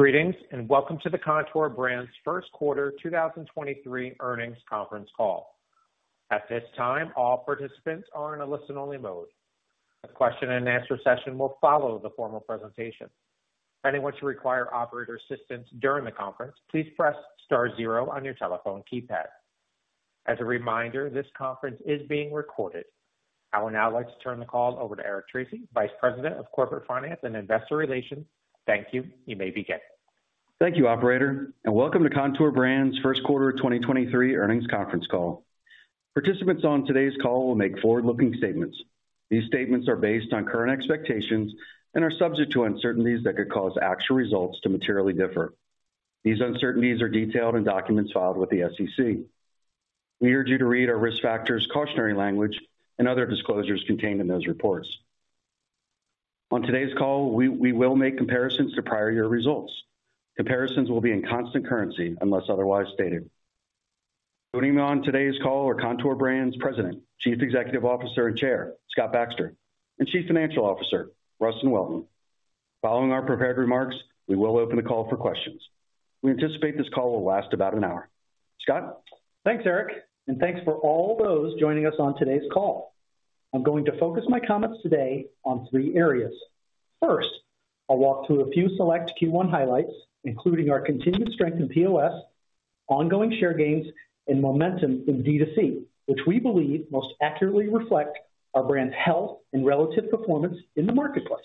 Greetings, and welcome to the Kontoor Brands first quarter 2023 earnings conference call. At this time, all participants are in a listen-only mode. A question and answer session will follow the formal presentation. Anyone to require operator assistance during the conference, please press star zero on your telephone keypad. As a reminder, this conference is being recorded. I would now like to turn the call over to Eric Tracy, Vice President of Corporate Finance and Investor Relations. Thank you. You may begin. Thank you, operator, and welcome to Kontoor Brands first quarter 2023 earnings conference call. Participants on today's call will make forward-looking statements. These statements are based on current expectations and are subject to uncertainties that could cause actual results to materially differ. These uncertainties are detailed in documents filed with the SEC. We urge you to read our risk factors cautionary language and other disclosures contained in those reports. On today's call, we will make comparisons to prior year results. Comparisons will be in constant currency unless otherwise stated. Joining me on today's call are Kontoor Brands President, Chief Executive Officer, and Chair, Scott Baxter, and Chief Financial Officer, Rustin Welton. Following our prepared remarks, we will open the call for questions. We anticipate this call will last about an hour. Scott. Thanks, Eric, and thanks for all those joining us on today's call. I'm going to focus my comments today on three areas. First, I'll walk through a few select Q1 highlights, including our continued strength in POS, ongoing share gains, and momentum in DTC, which we believe most accurately reflect our brand's health and relative performance in the marketplace.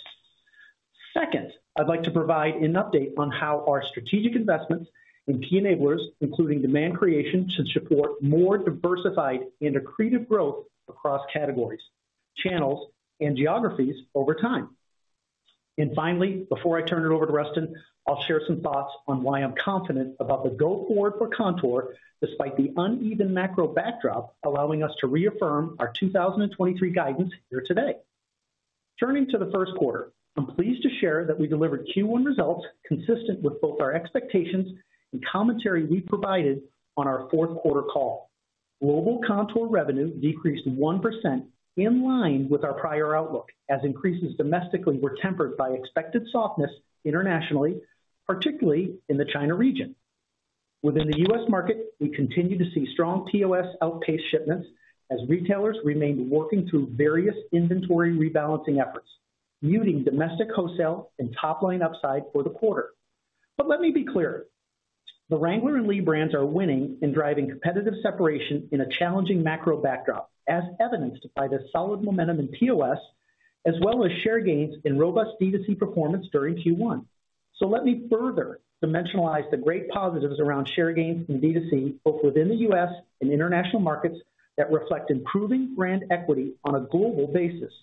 Second, I'd like to provide an update on how our strategic investments in key enablers, including demand creation, should support more diversified and accretive growth across categories, channels, and geographies over time. Finally, before I turn it over to Rustin, I'll share some thoughts on why I'm confident about the go forward for Kontoor despite the uneven macro backdrop, allowing us to reaffirm our 2023 guidance here today. Turning to the first quarter, I'm pleased to share that we delivered Q1 results consistent with both our expectations and commentary we provided on our fourth quarter call. Global Kontoor revenue decreased 1% in line with our prior outlook, as increases domestically were tempered by expected softness internationally, particularly in the China region. Within the U.S. market, we continue to see strong POS outpace shipments as retailers remain working through various inventory rebalancing efforts, muting domestic wholesale and top-line upside for the quarter. Let me be clear. The Wrangler and Lee brands are winning in driving competitive separation in a challenging macro backdrop, as evidenced by the solid momentum in POS as well as share gains in robust DTC performance during Q1. Let me further dimensionalize the great positives around share gains in DTC, both within the U.S. and international markets that reflect improving brand equity on a global basis.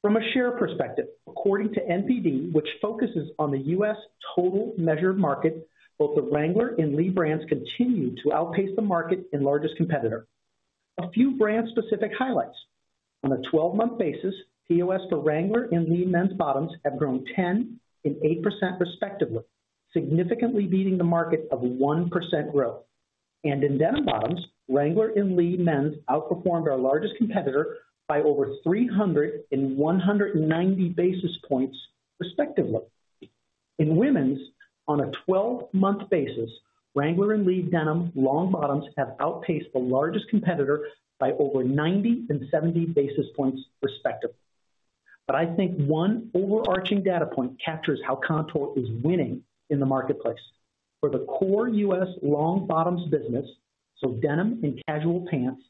From a share perspective, according to NPD, which focuses on the U.S. total measured market, both the Wrangler and Lee brands continue to outpace the market and largest competitor. A few brand-specific highlights. On a 12-month basis, POS for Wrangler and Lee men's bottoms have grown 10 and 8% respectively, significantly beating the market of 1% growth. In denim bottoms, Wrangler and Lee men's outperformed our largest competitor by over 300 and 190 basis points respectively. In women's, on a 12-month basis, Wrangler and Lee denim long bottoms have outpaced the largest competitor by over 90 and 70 basis points respectively. I think one overarching data point captures how Kontoor is winning in the marketplace. For the core U.S. long bottoms business, so denim and casual pants,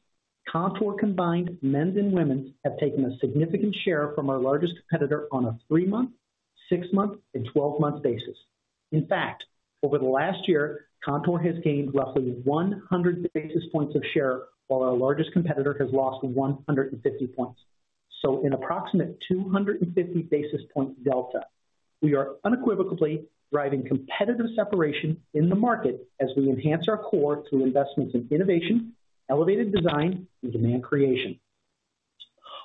Kontoor combined men's and women's have taken a significant share from our largest competitor on a three-month, six-month, and twelve-month basis. In fact, over the last year, Kontoor has gained roughly 100 basis points of share, while our largest competitor has lost 150 points. An approximate 250 basis point delta. We are unequivocally driving competitive separation in the market as we enhance our core through investments in innovation, elevated design, and demand creation.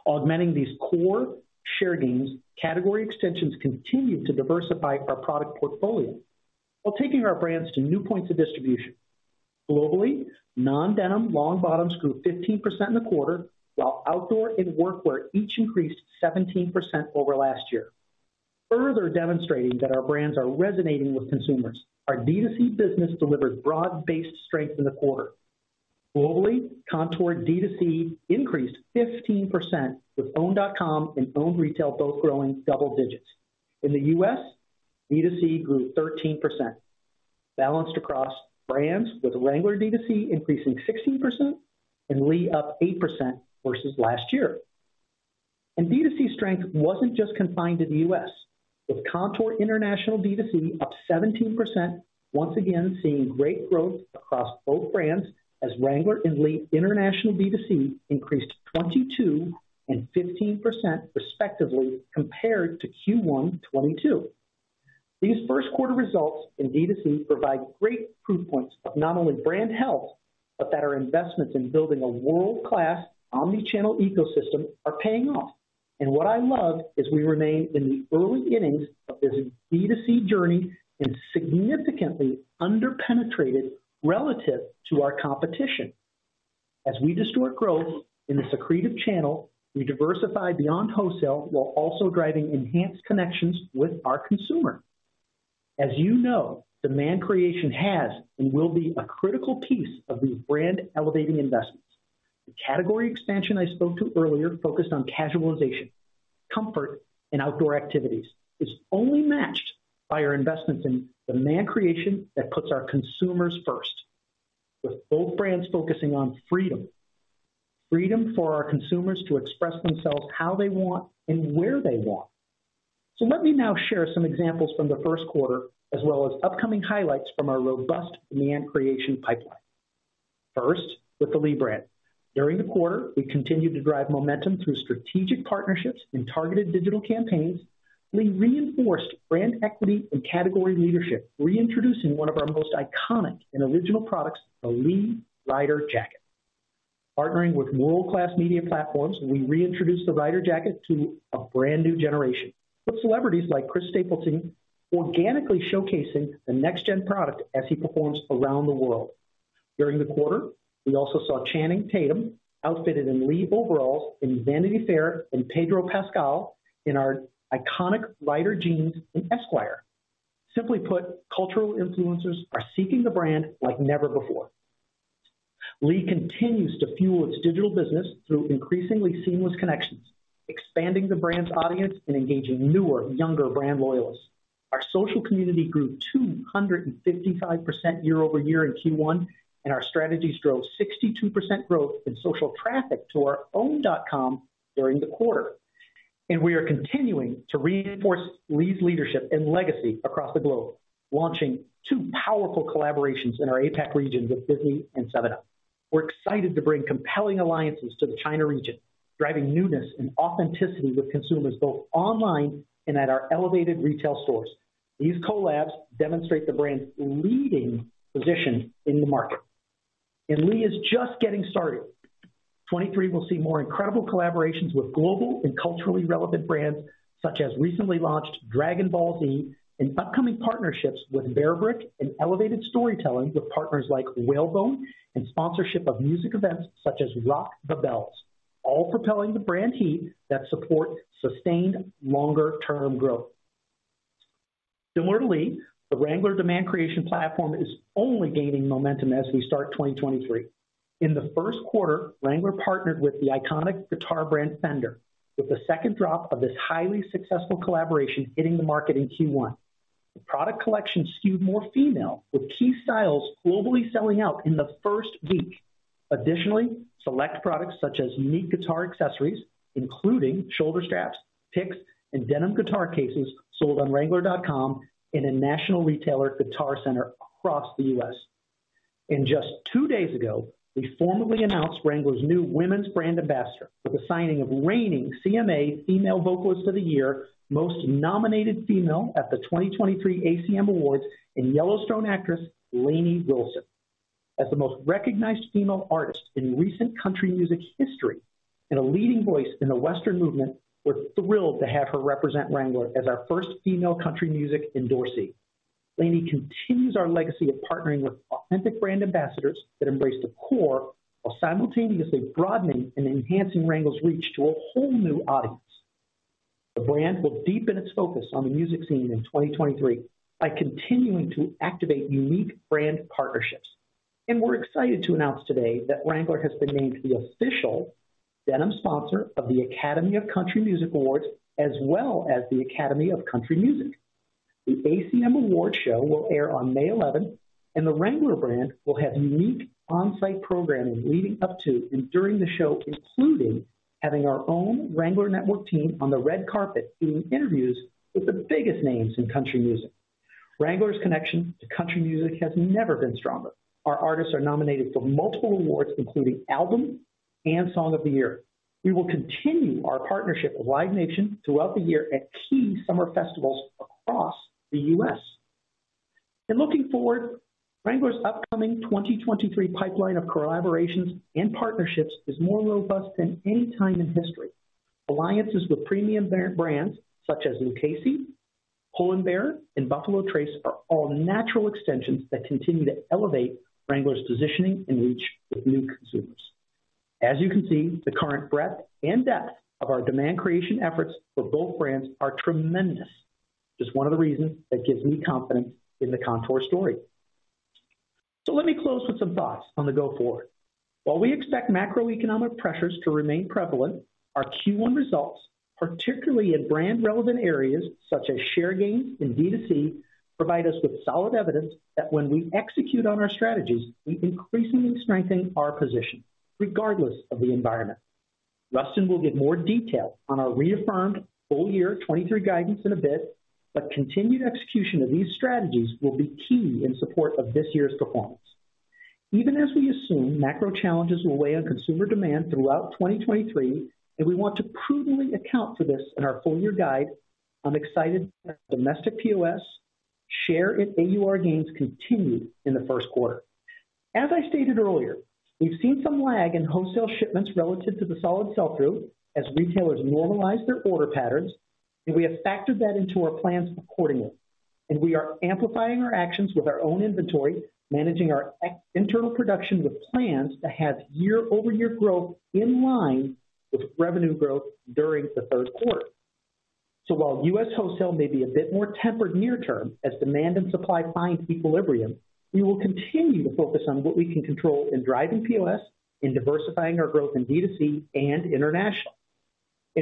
Augmenting these core share gains, category extensions continue to diversify our product portfolio while taking our brands to new points of distribution. Globally, non-denim long bottoms grew 15% in the quarter, while outdoor and workwear each increased 17% over last year. Further demonstrating that our brands are resonating with consumers, our DTC business delivered broad-based strength in the quarter. Globally, Kontoor DTC increased 15% with owned.com and owned retail both growing double digits. In the U.S., DTC grew 13%. Balanced across brands with Wrangler DTC increasing 16% and Lee up 8% versus last year. DTC strength wasn't just confined to the U.S., with Kontoor International DTC up 17% once again seeing great growth across both brands as Wrangler and Lee international DTC increased 22% and 15% respectively compared to Q1 2022. These first quarter results in DTC provide great proof points of not only brand health, but that our investments in building a world-class omni-channel ecosystem are paying off. What I love is we remain in the early innings of this DTC journey and significantly under-penetrated relative to our competition. As we distort growth in the secretive channel, we diversify beyond wholesale while also driving enhanced connections with our consumer. As you know, demand creation has and will be a critical piece of these brand elevating investments. The category expansion I spoke to earlier focused on casualization, comfort, and outdoor activities is only matched by our investments in demand creation that puts our consumers first. With both brands focusing on freedom for our consumers to express themselves how they want and where they want. Let me now share some examples from the first quarter, as well as upcoming highlights from our robust demand creation pipeline. First, with the Lee brand. During the quarter, we continued to drive momentum through strategic partnerships and targeted digital campaigns. Lee reinforced brand equity and category leadership, reintroducing one of our most iconic and original products, the Lee Rider jacket. Partnering with world-class media platforms, we reintroduced the Rider jacket to a brand new generation, with celebrities like Chris Stapleton organically showcasing the next gen product as he performs around the world. During the quarter, we also saw Channing Tatum outfitted in Lee overalls in Vanity Fair, and Pedro Pascal in our iconic Rider jeans in Esquire. Simply put, cultural influencers are seeking the brand like never before. Lee continues to fuel its digital business through increasingly seamless connections, expanding the brand's audience and engaging newer, younger brand loyalists. Our social community grew 255% year-over-year in Q1. Our strategies drove 62% growth in social traffic to our owned.com during the quarter. We are continuing to reinforce Lee's leadership and legacy across the globe, launching two powerful collaborations in our APAC region with Disney and 7Up. We're excited to bring compelling alliances to the China region, driving newness and authenticity with consumers both online and at our elevated retail stores. These collabs demonstrate the brand's leading position in the market. Lee is just getting started. 2023 will see more incredible collaborations with global and culturally relevant brands, such as recently launched Dragon Ball Z and upcoming partnerships with BE@RBRICK and elevated storytelling with partners like Whalebone and sponsorship of music events such as Rock The Bells, all propelling the brand heat that support sustained longer term growth. Similarly, the Wrangler demand creation platform is only gaining momentum as we start 2023. In the first quarter, Wrangler partnered with the iconic guitar brand Fender, with the second drop of this highly successful collaboration hitting the market in Q1. The product collection skewed more female, with key styles globally selling out in the first week. Select products such as unique guitar accessories, including shoulder straps, picks, and denim guitar cases, sold on Wrangler.com and in national retailer Guitar Center across the U.S. Just two days ago, we formally announced Wrangler's new women's brand ambassador with the signing of reigning CMA female vocalist of the year, most nominated female at the 2023 ACM Awards, and Yellowstone actress, Lainey Wilson. As the most recognized female artist in recent country music history and a leading voice in the Western movement, we're thrilled to have her represent Wrangler as our first female country music endorsee. Lainey continues our legacy of partnering with authentic brand ambassadors that embrace the core while simultaneously broadening and enhancing Wrangler's reach to a whole new audience. The brand will deepen its focus on the music scene in 2023 by continuing to activate unique brand partnerships. We're excited to announce today that Wrangler has been named the official denim sponsor of the Academy of Country Music Awards, as well as the Academy of Country Music. The ACM Awards show will air on May 11, and the Wrangler brand will have unique on-site programming leading up to and during the show, including having our own Wrangler network team on the red carpet doing interviews with the biggest names in country music. Wrangler's connection to country music has never been stronger. Our artists are nominated for multiple awards, including Album and Song of the Year. We will continue our partnership with Live Nation throughout the year at key summer festivals across the US. Looking forward, Wrangler's upcoming 2023 pipeline of collaborations and partnerships is more robust than any time in history. Alliances with premium brands such as Lucchese, Pull&Bear, and Buffalo Trace are all natural extensions that continue to elevate Wrangler's positioning and reach with new consumers. As you can see, the current breadth and depth of our demand creation efforts for both brands are tremendous. Just one of the reasons that gives me confidence in the Kontoor story. Let me close with some thoughts on the go forward. While we expect macroeconomic pressures to remain prevalent, our Q1 results, particularly in brand relevant areas such as share gains and DTC, provide us with solid evidence that when we execute on our strategies, we increasingly strengthen our position regardless of the environment. Rustin will give more detail on our reaffirmed full year 2023 guidance in a bit, but continued execution of these strategies will be key in support of this year's performance. Even as we assume macro challenges will weigh on consumer demand throughout 2023, and we want to prudently account for this in our full year guide, I'm excited domestic POS share in AUR gains continued in the first quarter. As I stated earlier, we've seen some lag in wholesale shipments relative to the solid sell-through as retailers normalize their order patterns, and we have factored that into our plans accordingly. We are amplifying our actions with our own inventory, managing our internal production with plans to have year-over-year growth in line with revenue growth during the third quarter. While U.S. wholesale may be a bit more tempered near term as demand and supply finds equilibrium, we will continue to focus on what we can control in driving POS, in diversifying our growth in DTC and international.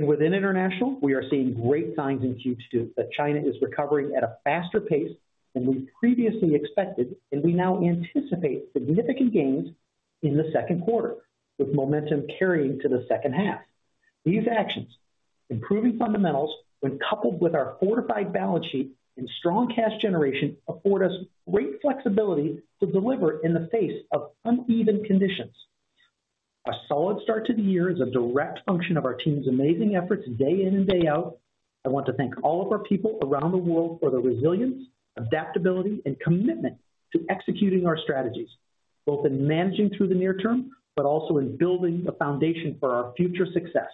Within international, we are seeing great signs in Q2 that China is recovering at a faster pace than we previously expected, and we now anticipate significant gains in the second quarter, with momentum carrying to the second half. These actions, improving fundamentals, when coupled with our fortified balance sheet and strong cash generation, afford us great flexibility to deliver in the face of uneven conditions. A solid start to the year is a direct function of our team's amazing efforts day in and day out. I want to thank all of our people around the world for their resilience, adaptability, and commitment to executing our strategies, both in managing through the near term, but also in building a foundation for our future success.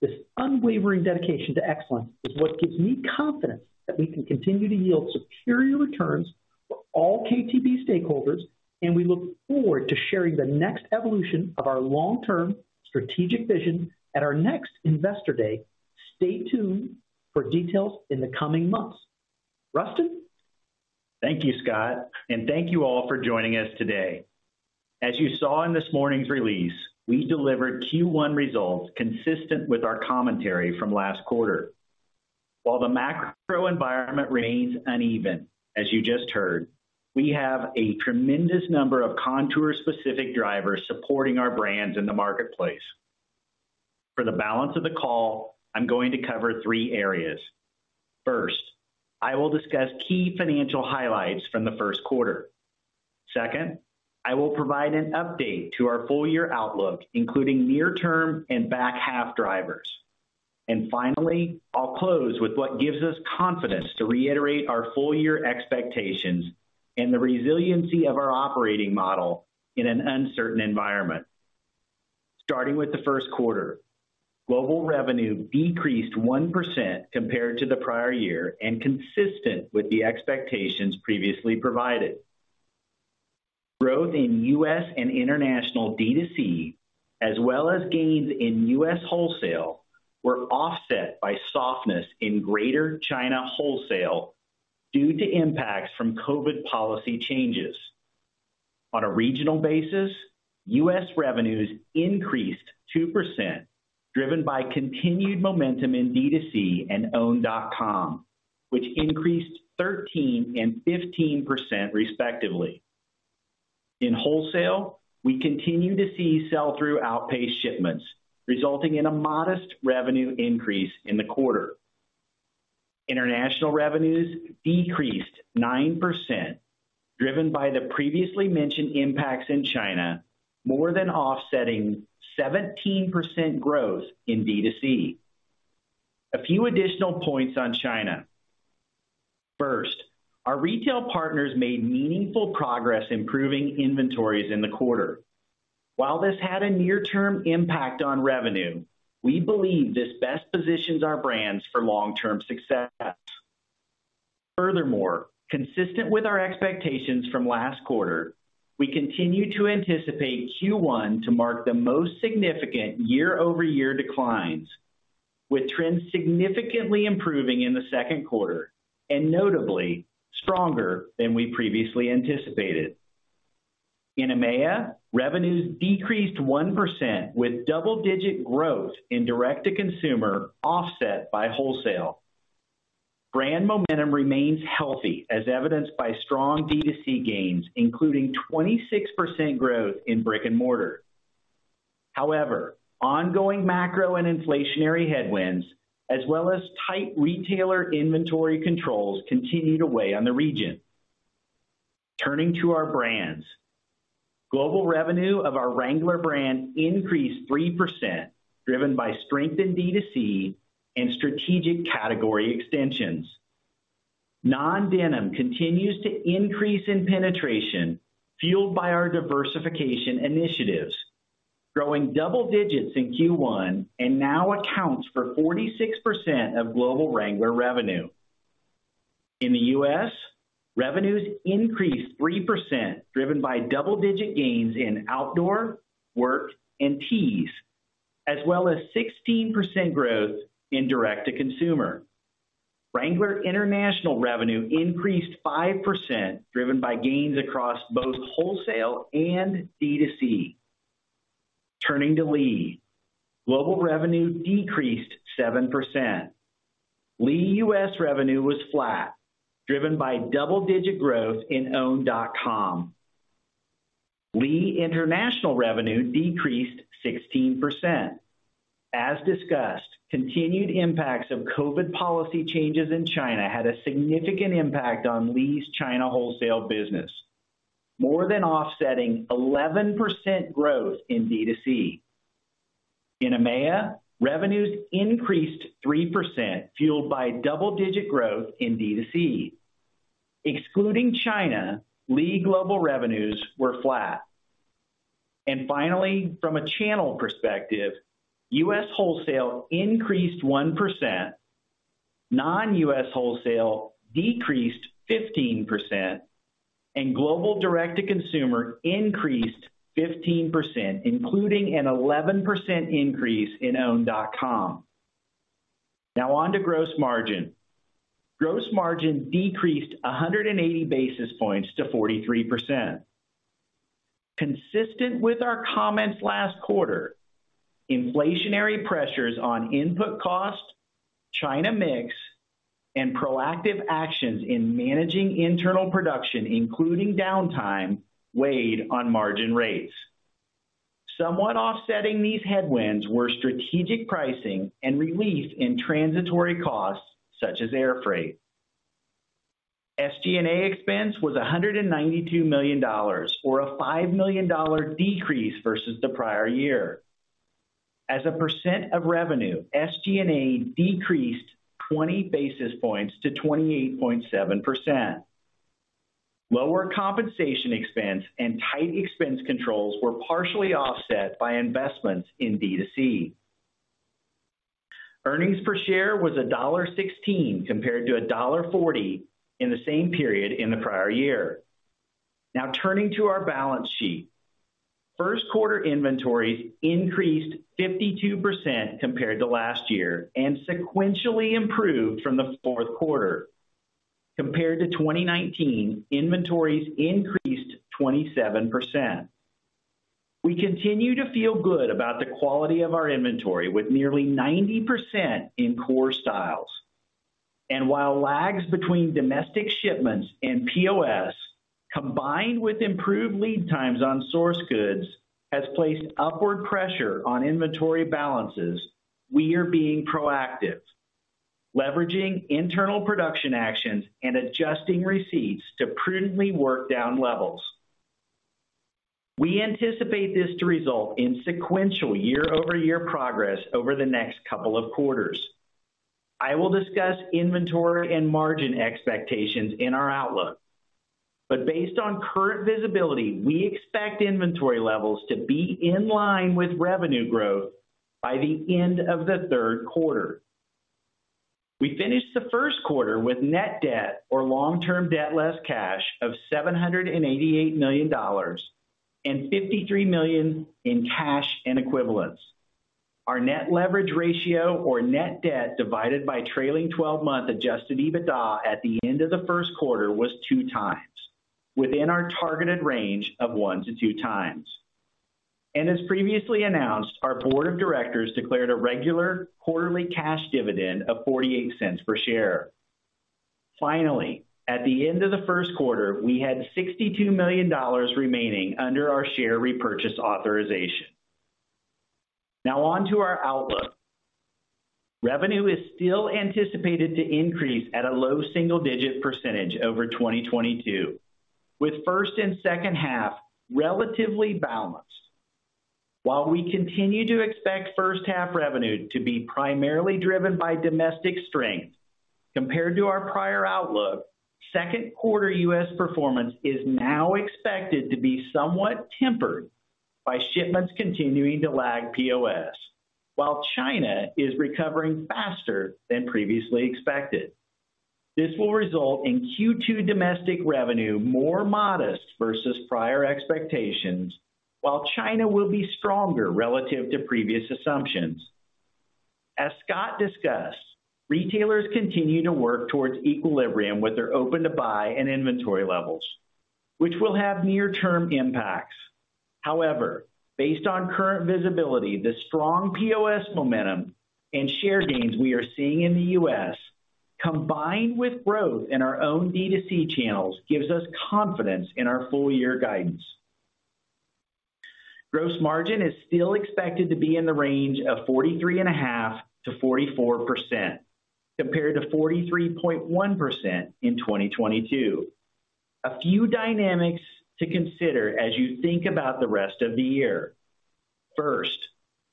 This unwavering dedication to excellence is what gives me confidence that we can continue to yield superior returns for all KTB stakeholders. We look forward to sharing the next evolution of our long-term strategic vision at our next investor day. Stay tuned for details in the coming months. Rustin? Thank you, Scott. Thank you all for joining us today. As you saw in this morning's release, we delivered Q1 results consistent with our commentary from last quarter. While the macro environment remains uneven, as you just heard, we have a tremendous number of Kontoor-specific drivers supporting our brands in the marketplace. For the balance of the call, I'm going to cover three areas. First, I will discuss key financial highlights from the first quarter. Second, I will provide an update to our full year outlook, including near term and back half drivers. Finally, I'll close with what gives us confidence to reiterate our full year expectations and the resiliency of our operating model in an uncertain environment. Starting with the first quarter, global revenue decreased 1% compared to the prior year and consistent with the expectations previously provided. Growth in U.S. and international DTC, as well as gains in U.S. wholesale, were offset by softness in Greater China wholesale due to impacts from COVID policy changes. On a regional basis, U.S. revenues increased 2%, driven by continued momentum in DTC and owned.com, which increased 13% and 15% respectively. In wholesale, we continue to see sell-through outpace shipments, resulting in a modest revenue increase in the quarter. International revenues decreased 9%, driven by the previously mentioned impacts in China, more than offsetting 17% growth in DTC. A few additional points on China. First, our retail partners made meaningful progress improving inventories in the quarter. While this had a near-term impact on revenue, we believe this best positions our brands for long-term success. Consistent with our expectations from last quarter, we continue to anticipate Q1 to mark the most significant year-over-year declines, with trends significantly improving in the second quarter and notably stronger than we previously anticipated. In EMEA, revenues decreased 1%, with double-digit growth in direct-to-consumer offset by wholesale. Brand momentum remains healthy, as evidenced by strong DTC gains, including 26% growth in brick and mortar. Ongoing macro and inflationary headwinds, as well as tight retailer inventory controls, continue to weigh on the region. Turning to our brands. Global revenue of our Wrangler brand increased 3%, driven by strength in DTC and strategic category extensions. Non-denim continues to increase in penetration, fueled by our diversification initiatives, growing double digits in Q1 and now accounts for 46% of global Wrangler revenue. In the U.S., revenues increased 3%, driven by double-digit gains in outdoor, work, and tees, as well as 16% growth in direct-to-consumer. Wrangler international revenue increased 5%, driven by gains across both wholesale and DTC. Turning to Lee. Global revenue decreased 7%. Lee U.S. revenue was flat, driven by double-digit growth in owned.com. Lee international revenue decreased 16%. As discussed, continued impacts of COVID policy changes in China had a significant impact on Lee's China wholesale business, more than offsetting 11% growth in DTC. In EMEA, revenues increased 3%, fueled by double-digit growth in DTC. Excluding China, Lee global revenues were flat. Finally, from a channel perspective, U.S. wholesale increased 1%, non-U.S. wholesale decreased 15%, and global direct-to-consumer increased 15%, including an 11% increase in owned.com. Now on to gross margin. Gross margin decreased 180 basis points to 43%. Consistent with our comments last quarter, inflationary pressures on input costs, China mix, and proactive actions in managing internal production, including downtime, weighed on margin rates. Somewhat offsetting these headwinds were strategic pricing and relief in transitory costs such as air freight. SG&A expense was $192 million, or a $5 million decrease versus the prior year. As a % of revenue, SG&A decreased 20 basis points to 28.7%. Lower compensation expense and tight expense controls were partially offset by investments in DTC. Earnings per share was $1.16 compared to $1.40 in the same period in the prior year. Now turning to our balance sheet. First quarter inventories increased 52% compared to last year and sequentially improved from the fourth quarter. Compared to 2019, inventories increased 27%. We continue to feel good about the quality of our inventory with nearly 90% in core styles. While lags between domestic shipments and POS, combined with improved lead times on source goods, has placed upward pressure on inventory balances, we are being proactive, leveraging internal production actions and adjusting receipts to prudently work down levels. We anticipate this to result in sequential year-over-year progress over the next couple of quarters. I will discuss inventory and margin expectations in our outlook, but based on current visibility, we expect inventory levels to be in line with revenue growth by the end of the 3rd quarter. We finished the first quarter with net debt or long-term debt less cash of $788 million and $53 million in cash and equivalents. Our net leverage ratio or net debt divided by trailing twelve-month adjusted EBITDA at the end of the first quarter was two times, within our targeted range of one to two times. As previously announced, our board of directors declared a regular quarterly cash dividend of $0.48 per share. Finally, at the end of the first quarter, we had $62 million remaining under our share repurchase authorization. Now on to our outlook. Revenue is still anticipated to increase at a low single-digit % over 2022, with first and second half relatively balanced. While we continue to expect first half revenue to be primarily driven by domestic strength compared to our prior outlook, second quarter U.S. performance is now expected to be somewhat tempered by shipments continuing to lag POS, while China is recovering faster than previously expected. This will result in Q2 domestic revenue more modest versus prior expectations, while China will be stronger relative to previous assumptions. As Scott discussed, retailers continue to work towards equilibrium with their open to buy and inventory levels, which will have near term impacts. Based on current visibility, the strong POS momentum and share gains we are seeing in the U.S., combined with growth in our own DTC channels, gives us confidence in our full year guidance. Gross margin is still expected to be in the range of forty-three and a half to 44%, compared to 43.1% in 2022. A few dynamics to consider as you think about the rest of the year. First,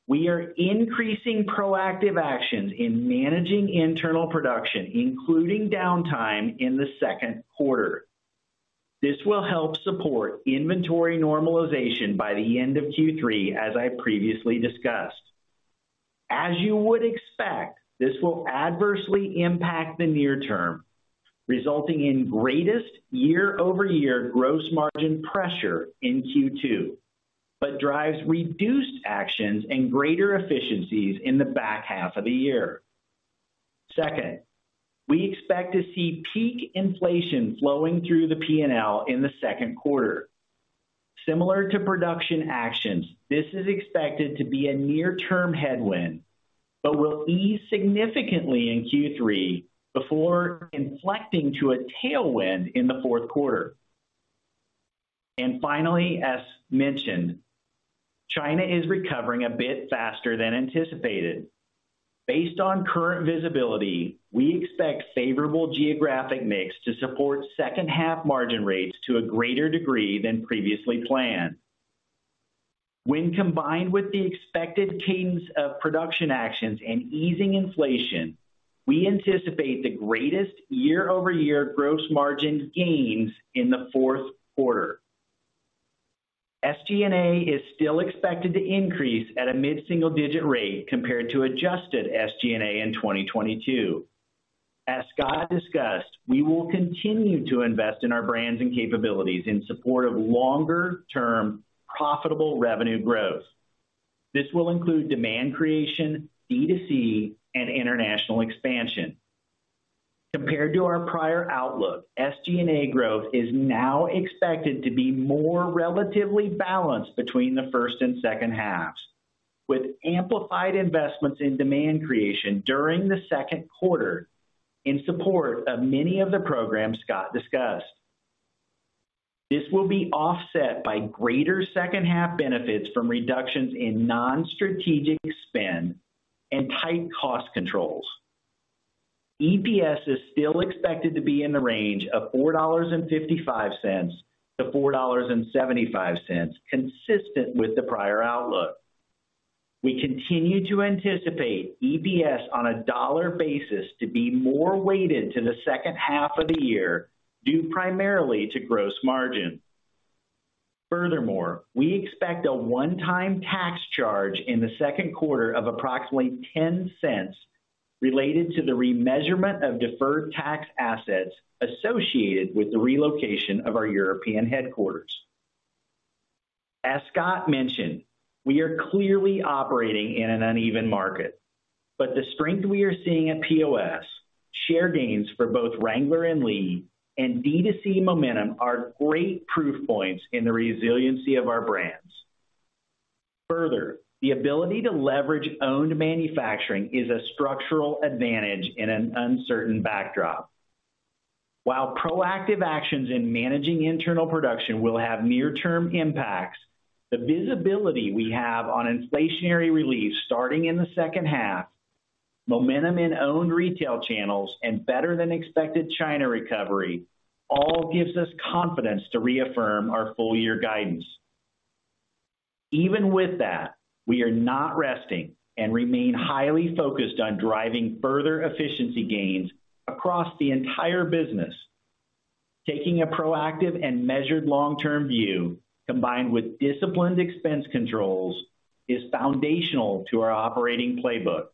we are increasing proactive actions in managing internal production, including downtime in the second quarter. This will help support inventory normalization by the end of Q3, as I previously discussed. As you would expect, this will adversely impact the near term, resulting in greatest year-over-year gross margin pressure in Q2, but drives reduced actions and greater efficiencies in the back half of the year. Second, we expect to see peak inflation flowing through the P&L in the second quarter. Similar to production actions, this is expected to be a near term headwind, but will ease significantly in Q3 before inflecting to a tailwind in the fourth quarter. Finally, as mentioned, China is recovering a bit faster than anticipated. Based on current visibility, we expect favorable geographic mix to support second half margin rates to a greater degree than previously planned. When combined with the expected cadence of production actions and easing inflation, we anticipate the greatest year-over-year gross margin gains in the fourth quarter. SG&A is still expected to increase at a mid-single digit rate compared to adjusted SG&A in 2022. As Scott discussed, we will continue to invest in our brands and capabilities in support of longer-term profitable revenue growth. This will include demand creation, DTC, and international expansion. Compared to our prior outlook, SG&A growth is now expected to be more relatively balanced between the first and second halves, with amplified investments in demand creation during the second quarter in support of many of the programs Scott discussed. This will be offset by greater second half benefits from reductions in non-strategic spend and tight cost controls. EPS is still expected to be in the range of $4.55-$4.75, consistent with the prior outlook. We continue to anticipate EPS on a dollar basis to be more weighted to the second half of the year, due primarily to gross margin. We expect a one-time tax charge in the second quarter of approximately $0.10 related to the remeasurement of deferred tax assets associated with the relocation of our European headquarters. As Scott mentioned, we are clearly operating in an uneven market, but the strength we are seeing at POS share gains for both Wrangler and Lee and DTC momentum are great proof points in the resiliency of our brands. The ability to leverage owned manufacturing is a structural advantage in an uncertain backdrop. While proactive actions in managing internal production will have near-term impacts, the visibility we have on inflationary relief starting in the second half, momentum in owned retail channels and better than expected China recovery all gives us confidence to reaffirm our full year guidance. Even with that, we are not resting and remain highly focused on driving further efficiency gains across the entire business. Taking a proactive and measured long-term view, combined with disciplined expense controls, is foundational to our operating playbook.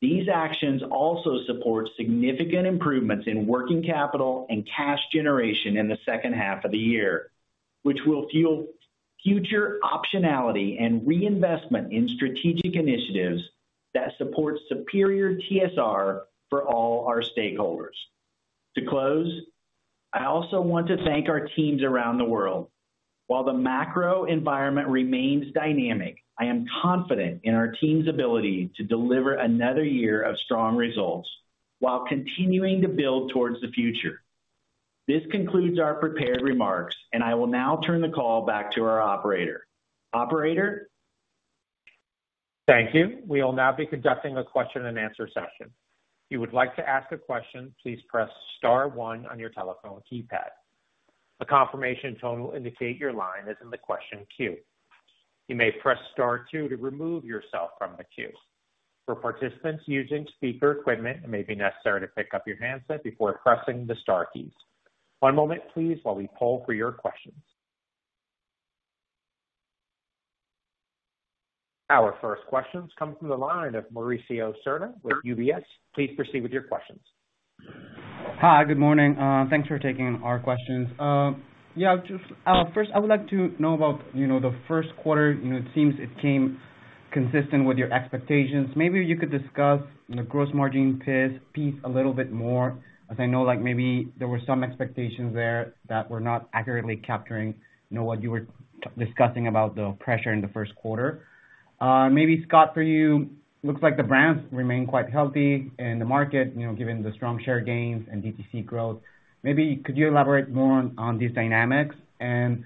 These actions also support significant improvements in working capital and cash generation in the second half of the year, which will fuel future optionality and reinvestment in strategic initiatives that support superior TSR for all our stakeholders. To close, I also want to thank our teams around the world. While the macro environment remains dynamic, I am confident in our team's ability to deliver another year of strong results while continuing to build towards the future. This concludes our prepared remarks. I will now turn the call back to our operator. Operator? Thank you. We will now be conducting a question and answer session. If you would like to ask a question, please press star one on your telephone keypad. A confirmation tone will indicate your line is in the question queue. You may press star two to remove yourself from the queue. For participants using speaker equipment, it may be necessary to pick up your handset before pressing the star keys. One moment please while we poll for your questions. Our first questions come from the line of Mauricio Serna with UBS. Please proceed with your questions. Hi. Good morning. Thanks for taking our questions. Yeah, just, first I would like to know about, you know, the first quarter. You know, it seems it came consistent with your expectations. Maybe you could discuss the gross margin piece a little bit more, as I know, like maybe there were some expectations there that were not accurately capturing, you know, what you were discussing about the pressure in the first quarter. Maybe Scott, for you, looks like the brands remain quite healthy and the market, you know, given the strong share gains and DTC growth, maybe could you elaborate more on these dynamics? Then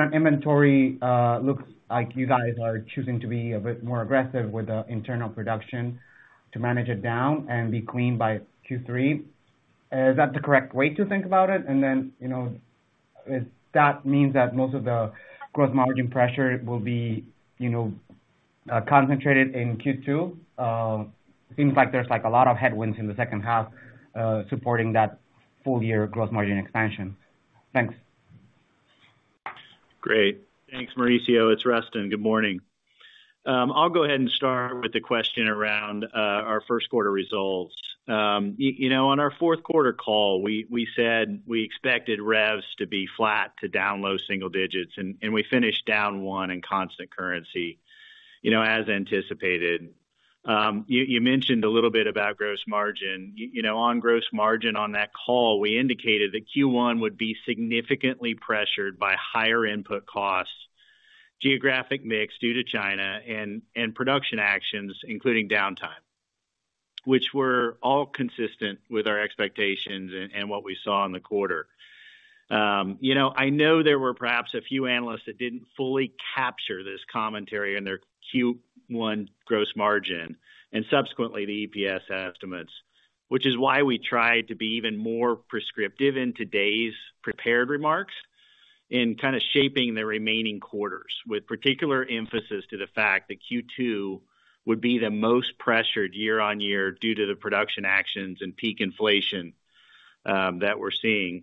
on inventory, looks like you guys are choosing to be a bit more aggressive with the internal production to manage it down and be clean by Q3. Is that the correct way to think about it? You know, if that means that most of the gross margin pressure will be, you know, concentrated in Q2? Seems like there's like a lot of headwinds in the second half, supporting that full year gross margin expansion. Thanks. Great. Thanks, Mauricio. It's Rustin. Good morning. I'll go ahead and start with the question around our first quarter results. You know, on our fourth quarter call, we said we expected revs to be flat to down low single digits, and we finished down 1% in constant currency, you know, as anticipated. You mentioned a little bit about gross margin. You know, on gross margin on that call, we indicated that Q1 would be significantly pressured by higher input costs, geographic mix due to China and production actions including downtime, which were all consistent with our expectations and what we saw in the quarter. You know, I know there were perhaps a few analysts that didn't fully capture this commentary in their Q1 gross margin and subsequently the EPS estimates, which is why we tried to be even more prescriptive in today's prepared remarks. In kind of shaping the remaining quarters, with particular emphasis to the fact that Q2 would be the most pressured year-on-year due to the production actions and peak inflation that we're seeing.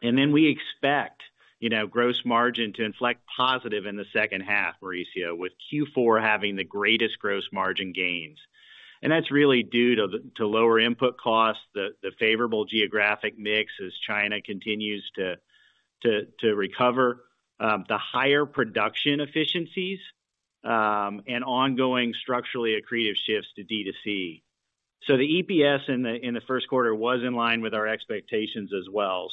we expect, you know, gross margin to inflect positive in the second half, Mauricio, with Q4 having the greatest gross margin gains. That's really due to lower input costs, the favorable geographic mix as China continues to recover, the higher production efficiencies, and ongoing structurally accretive shifts to DTC. The EPS in the first quarter was in line with our expectations as well.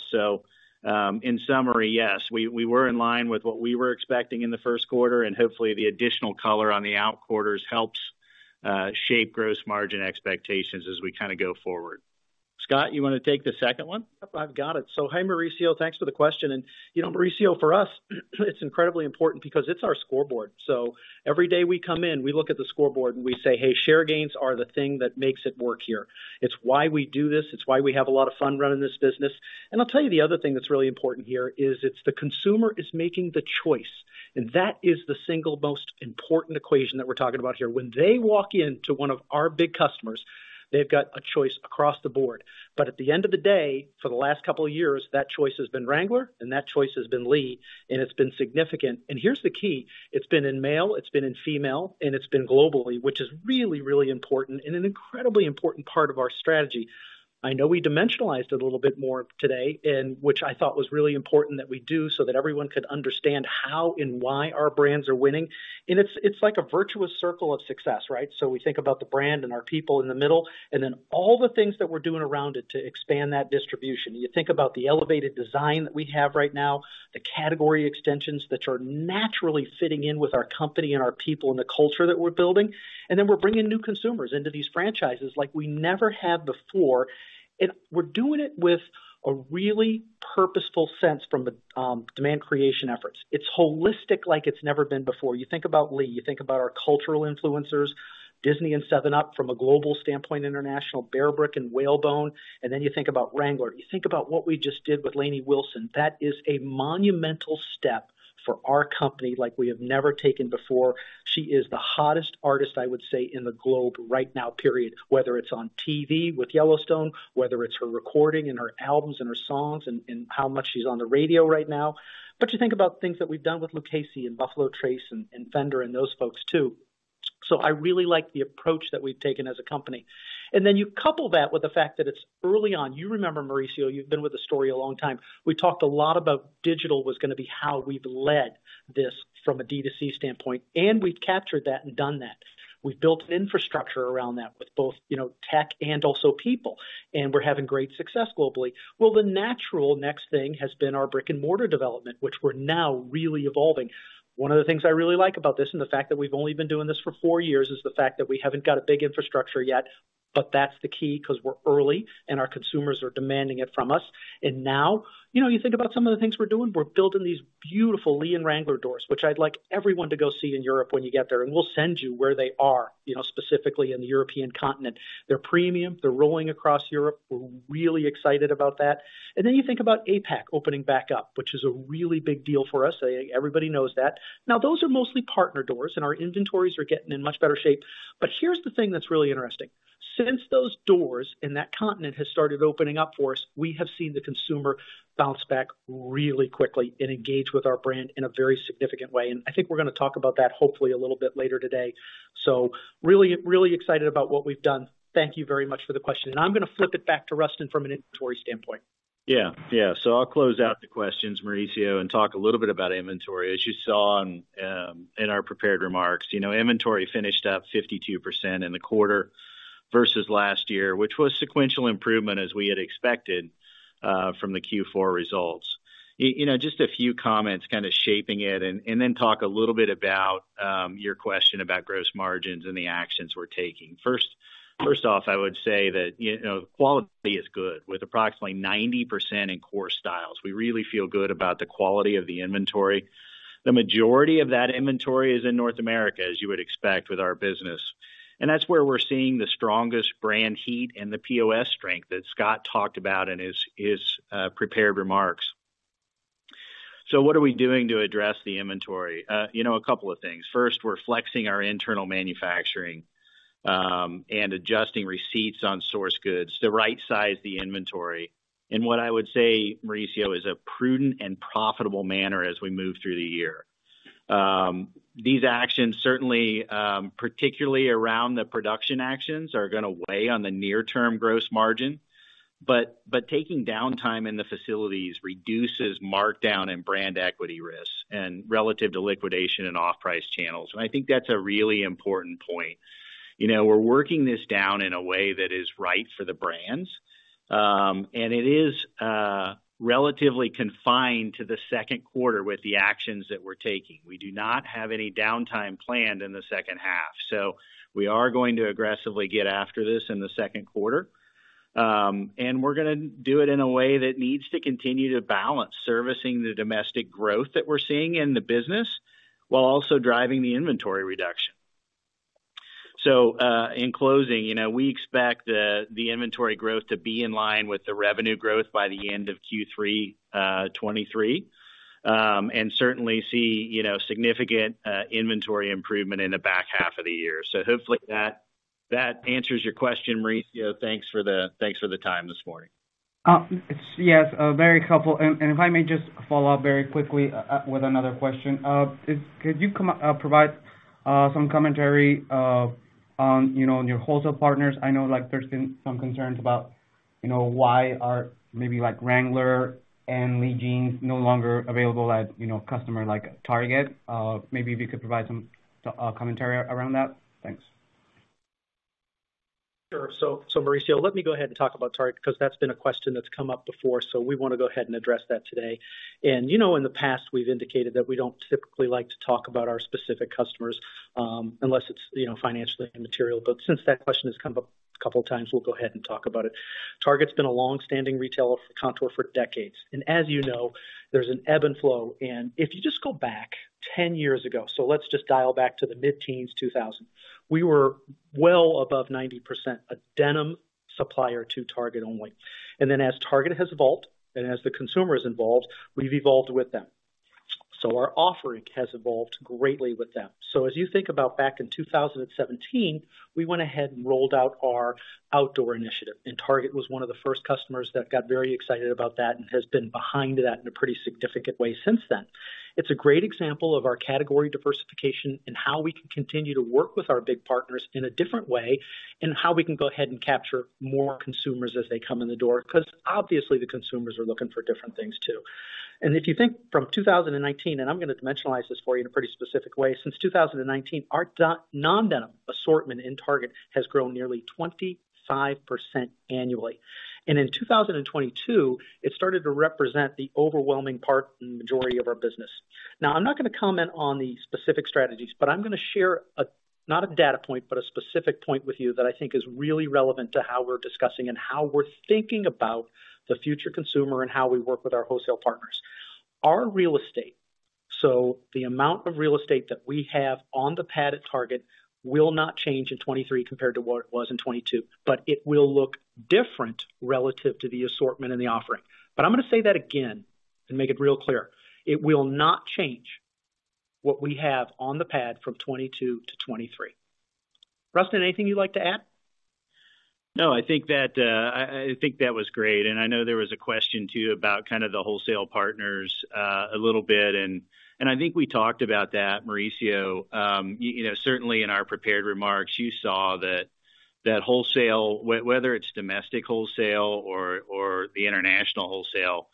In summary, yes, we were in line with what we were expecting in the first quarter, hopefully the additional color on the out quarters helps shape gross margin expectations as we kinda go forward. Scott, you wanna take the second one? Yep, I've got it. Hi, Mauricio, thanks for the question. You know, Mauricio, for us, it's incredibly important because it's our scoreboard. Every day we come in, we look at the scoreboard and we say, "Hey, share gains are the thing that makes it work here." It's why we do this. It's why we have a lot of fun running this business. I'll tell you the other thing that's really important here is it's the consumer is making the choice, and that is the single most important equation that we're talking about here. When they walk into one of our big customers, they've got a choice across the board. At the end of the day, for the last couple of years, that choice has been Wrangler, and that choice has been Lee, and it's been significant. Here's the key. It's been in male, it's been in female, and it's been globally, which is really, really important and an incredibly important part of our strategy. I know we dimensionalized it a little bit more today, and which I thought was really important that we do so that everyone could understand how and why our brands are winning. It's like a virtuous circle of success, right? We think about the brand and our people in the middle, and then all the things that we're doing around it to expand that distribution. You think about the elevated design that we have right now, the category extensions that are naturally fitting in with our company and our people and the culture that we're building. Then we're bringing new consumers into these franchises like we never have before. We're doing it with a really purposeful sense from the demand creation efforts. It's holistic like it's never been before. You think about Lee, you think about our cultural influencers, Disney and 7Up from a global standpoint, international, BE@RBRICK and Whalebone, and then you think about Wrangler. You think about what we just did with Lainey Wilson. That is a monumental step for our company like we have never taken before. She is the hottest artist, I would say, in the globe right now, period, whether it's on TV with Yellowstone, whether it's her recording and her albums and her songs and how much she's on the radio right now. You think about things that we've done with Lucchese and Buffalo Trace and Fender and those folks too. I really like the approach that we've taken as a company. You couple that with the fact that it's early on. You remember, Mauricio, you've been with the story a long time. We talked a lot about digital was going to be how we've led this from a DTC standpoint, and we've captured that and done that. We've built infrastructure around that with both, you know, tech and also people, and we're having great success globally. Well, the natural next thing has been our brick-and-mortar development, which we're now really evolving. One of the things I really like about this, and the fact that we've only been doing this for four years, is the fact that we haven't got a big infrastructure yet, but that's the key because we're early and our consumers are demanding it from us. You know, you think about some of the things we're doing. We're building these beautiful Lee and Wrangler doors, which I'd like everyone to go see in Europe when you get there. We'll send you where they are, you know, specifically in the European continent. They're premium. They're rolling across Europe. We're really excited about that. You think about APAC opening back up, which is a really big deal for us. Everybody knows that. Now, those are mostly partner doors. Our inventories are getting in much better shape. Here's the thing that's really interesting. Since those doors in that continent have started opening up for us, we have seen the consumer bounce back really quickly and engage with our brand in a very significant way. I think we're gonna talk about that hopefully a little bit later today. Really, really excited about what we've done. Thank you very much for the question. I'm gonna flip it back to Rustin from an inventory standpoint. Yeah. Yeah. I'll close out the questions, Mauricio, and talk a little bit about inventory. As you saw in our prepared remarks, you know, inventory finished up 52% in the quarter versus last year, which was sequential improvement as we had expected from the Q4 results. You know, just a few comments kinda shaping it and then talk a little bit about your question about gross margins and the actions we're taking. First off, I would say that you know, quality is good with approximately 90% in core styles. We really feel good about the quality of the inventory. The majority of that inventory is in North America, as you would expect with our business. That's where we're seeing the strongest brand heat and the POS strength that Scott talked about in his prepared remarks. What are we doing to address the inventory? You know, a couple of things. First, we're flexing our internal manufacturing and adjusting receipts on source goods to right size the inventory in what I would say, Mauricio, is a prudent and profitable manner as we move through the year. These actions certainly, particularly around the production actions, are gonna weigh on the near term gross margin. Taking downtime in the facilities reduces markdown and brand equity risks and relative to liquidation and off-price channels. I think that's a really important point. You know, we're working this down in a way that is right for the brands. It is relatively confined to the second quarter with the actions that we're taking. We do not have any downtime planned in the second half. We are going to aggressively get after this in the second quarter. We're gonna do it in a way that needs to continue to balance servicing the domestic growth that we're seeing in the business while also driving the inventory reduction. In closing, you know, we expect the inventory growth to be in line with the revenue growth by the end of Q3 2023. Certainly see, you know, significant inventory improvement in the back half of the year. Hopefully that answers your question, Mauricio. Thanks for the time this morning. Yes, very helpful. If I may just follow up very quickly with another question. Could you provide some commentary on, you know, on your wholesale partners? I know, like, there's been some concerns about, you know, why are maybe like Wrangler and Lee Jeans no longer available at, you know, customer like Target. Maybe if you could provide some commentary around that. Thanks. Sure. Mauricio, let me go ahead and talk about Target because that's been a question that's come up before, we wanna go ahead and address that today. You know, in the past, we've indicated that we don't typically like to talk about our specific customers, unless it's, you know, financially material. Since that question has come up a couple of times, we'll go ahead and talk about it. Target's been a longstanding retailer for Kontoor for decades. As you know, there's an ebb and flow. If you just go back 10 years ago, let's just dial back to the mid-teens, 2000. We were well above 90% a denim supplier to Target only. As Target has evolved and as the consumer has involved, we've evolved with them. Our offering has evolved greatly with them. As you think about back in 2017, we went ahead and rolled out our outdoor initiative, and Target was one of the first customers that got very excited about that and has been behind that in a pretty significant way since then. It's a great example of our category diversification and how we can continue to work with our big partners in a different way, and how we can go ahead and capture more consumers as they come in the door, 'cause obviously the consumers are looking for different things too. If you think from 2019, and I'm gonna dimensionalize this for you in a pretty specific way. Since 2019, our non-denim assortment in Target has grown nearly 25% annually. In 2022, it started to represent the overwhelming part and majority of our business. I'm not gonna comment on the specific strategies, but I'm gonna share a, not a data point, but a specific point with you that I think is really relevant to how we're discussing and how we're thinking about the future consumer and how we work with our wholesale partners. Our real estate. The amount of real estate that we have on the pad at Target will not change in 2023 compared to what it was in 2022, but it will look different relative to the assortment and the offering. I'm gonna say that again and make it real clear. It will not change what we have on the pad from 2022 to 2023. Rustin, anything you'd like to add? No, I think that was great. I know there was a question, too, about kind of the wholesale partners a little bit, and I think we talked about that, Mauricio. You know, certainly in our prepared remarks, you saw that wholesale, whether it's domestic wholesale or the international wholesale,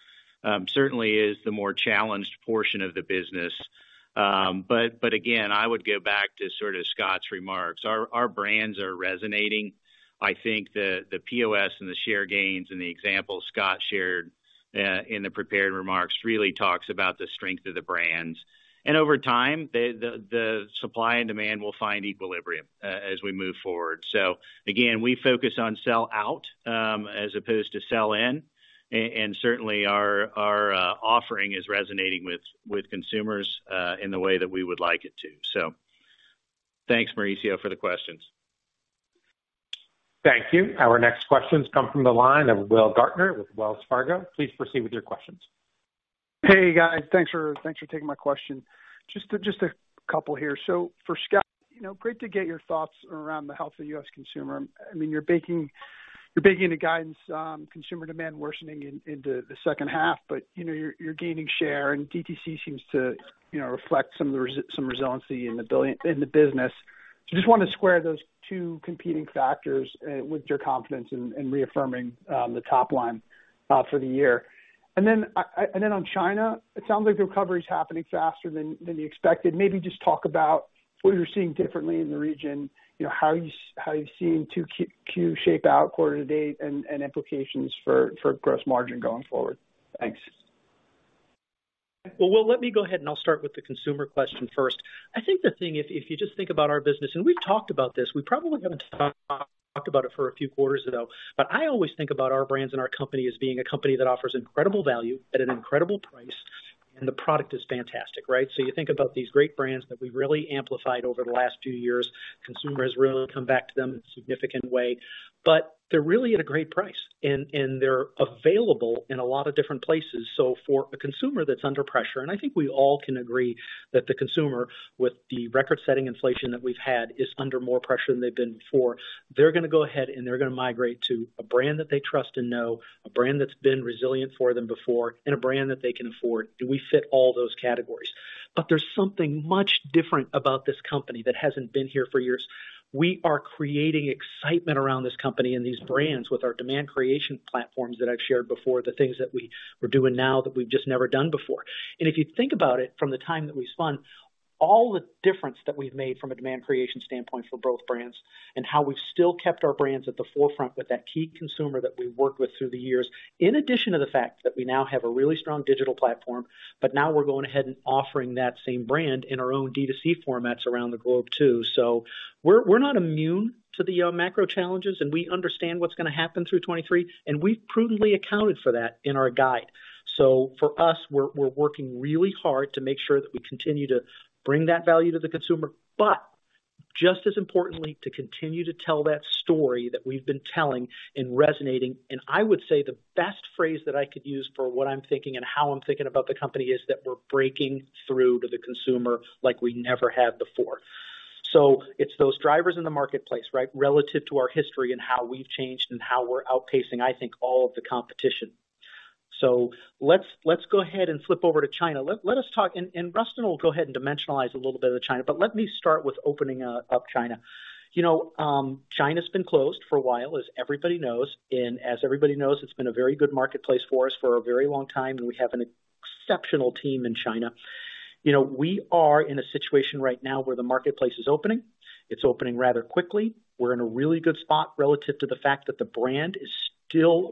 certainly is the more challenged portion of the business. Again, I would go back to sort of Scott's remarks. Our brands are resonating. I think the POS and the share gains and the examples Scott shared in the prepared remarks really talks about the strength of the brands. Over time, the supply and demand will find equilibrium as we move forward. Again, we focus on sellout as opposed to sell in. Certainly our offering is resonating with consumers, in the way that we would like it to. Thanks, Mauricio, for the questions. Thank you. Our next questions come from the line of Will Gardner with Wells Fargo. Please proceed with your questions. Hey, guys. Thanks for taking my question. Just a couple here. For Scott, you know, great to get your thoughts around the health of U.S. consumer. I mean, you're baking the guidance, consumer demand worsening into the second half. You know, you're gaining share, and DTC seems to, you know, reflect some resiliency in the business. Just wanna square those two competing factors with your confidence in reaffirming the top line for the year. Then on China, it sounds like the recovery is happening faster than you expected. Maybe just talk about what you're seeing differently in the region, you know, how you've seen 2Q shape out quarter to date and implications for gross margin going forward? Thanks. Well, Will, let me go ahead and I'll start with the consumer question first. I think the thing, if you just think about our business, and we've talked about this, we probably haven't talked about it for a few quarters now, but I always think about our brands and our company as being a company that offers incredible value at an incredible price, and the product is fantastic, right? You think about these great brands that we've really amplified over the last few years. Consumer has really come back to them in a significant way, but they're really at a great price, and they're available in a lot of different places. For a consumer that's under pressure, and I think we all can agree that the consumer with the record-setting inflation that we've had is under more pressure than they've been before. They're gonna go ahead and they're gonna migrate to a brand that they trust and know, a brand that's been resilient for them before, and a brand that they can afford. We fit all those categories. There's something much different about this company that hasn't been here for years. We are creating excitement around this company and these brands with our demand creation platforms that I've shared before, the things that we're doing now that we've just never done before. If you think about it from the time that we spun, all the difference that we've made from a demand creation standpoint for both brands and how we've still kept our brands at the forefront with that key consumer that we've worked with through the years, in addition to the fact that we now have a really strong digital platform, but now we're going ahead and offering that same brand in our own DTC formats around the globe too. We're, we're not immune to the macro challenges, and we understand what's gonna happen through 2023, and we've prudently accounted for that in our guide. For us, we're working really hard to make sure that we continue to bring that value to the consumer, but...Just as importantly, to continue to tell that story that we've been telling and resonating. I would say the best phrase that I could use for what I'm thinking and how I'm thinking about the company is that we're breaking through to the consumer like we never have before. It's those drivers in the marketplace, right? Relative to our history and how we've changed and how we're outpacing, I think, all of the competition. Let's go ahead and flip over to China. Let us talk and Rustin will go ahead and dimensionalize a little bit of China, but let me start with opening up China. You know, China's been closed for a while, as everybody knows. As everybody knows, it's been a very good marketplace for us for a very long time, and we have an exceptional team in China. You know, we are in a situation right now where the marketplace is opening. It's opening rather quickly. We're in a really good spot relative to the fact that the brand is still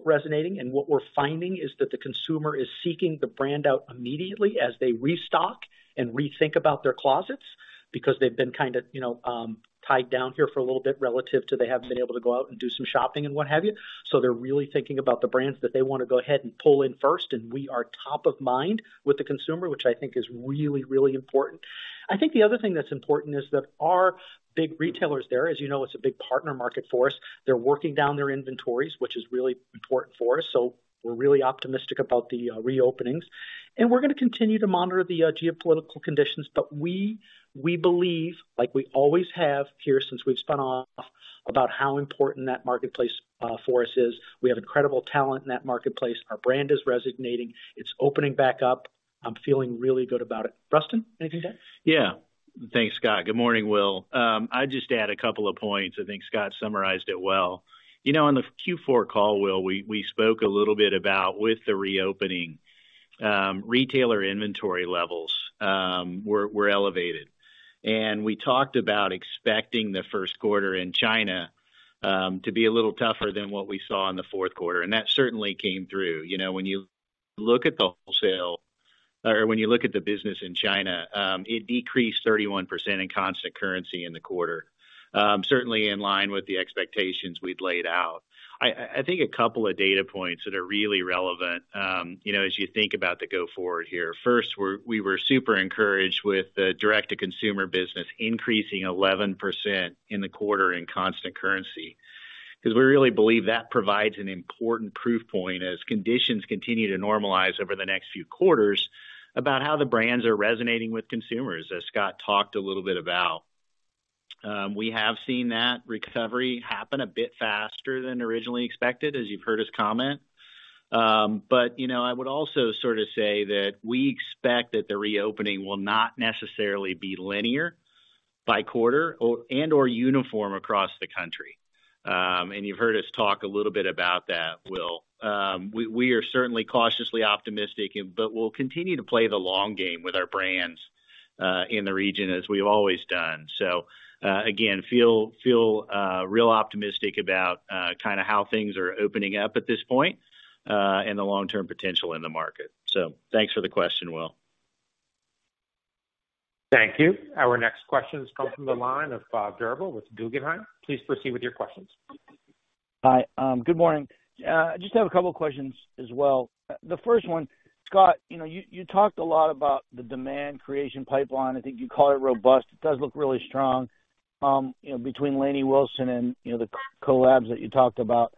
resonating. What we're finding is that the consumer is seeking the brand out immediately as they restock and rethink about their closets, because they've been kind of, you know, tied down here for a little bit relative to they haven't been able to go out and do some shopping and what have you. They're really thinking about the brands that they wanna go ahead and pull in first, and we are top of mind with the consumer, which I think is really, really important. I think the other thing that's important is that our big retailers there, as you know, it's a big partner market for us. They're working down their inventories, which is really important for us. We're really optimistic about the reopenings. We're gonna continue to monitor the geopolitical conditions. We believe, like we always have here since we've spun off, about how important that marketplace for us is. We have incredible talent in that marketplace. Our brand is resonating. It's opening back up. I'm feeling really good about it. Rustin, anything to add? Yeah. Thanks, Scott. Good morning, Will. I'd just add a couple of points. I think Scott summarized it well. You know, on the Q4 call, Will, we spoke a little bit about with the reopening, retailer inventory levels were elevated. We talked about expecting the first quarter in China to be a little tougher than what we saw in the fourth quarter, and that certainly came through. You know, when you look at the business in China, it decreased 31% in constant currency in the quarter. Certainly in line with the expectations we'd laid out. I think a couple of data points that are really relevant, you know, as you think about the go forward here. First, we were super encouraged with the direct-to-consumer business increasing 11% in the quarter in constant currency, 'cause we really believe that provides an important proof point as conditions continue to normalize over the next few quarters about how the brands are resonating with consumers, as Scott talked a little bit about. We have seen that recovery happen a bit faster than originally expected, as you've heard us comment. you know, I would also sort of say that we expect that the reopening will not necessarily be linear by quarter and/or uniform across the country. you've heard us talk a little bit about that, Will. We are certainly cautiously optimistic but we'll continue to play the long game with our brands in the region, as we've always done. Again, feel real optimistic about, kinda how things are opening up at this point, and the long-term potential in the market. Thanks for the question, Will. Thank you. Our next question has come from the line of Bob Drbul with Guggenheim. Please proceed with your questions. Hi. Good morning. I just have a couple questions as well. The first one, Scott, you know, you talked a lot about the demand creation pipeline. I think you call it robust. It does look really strong, you know, between Lainey Wilson and, you know, the collabs that you talked about.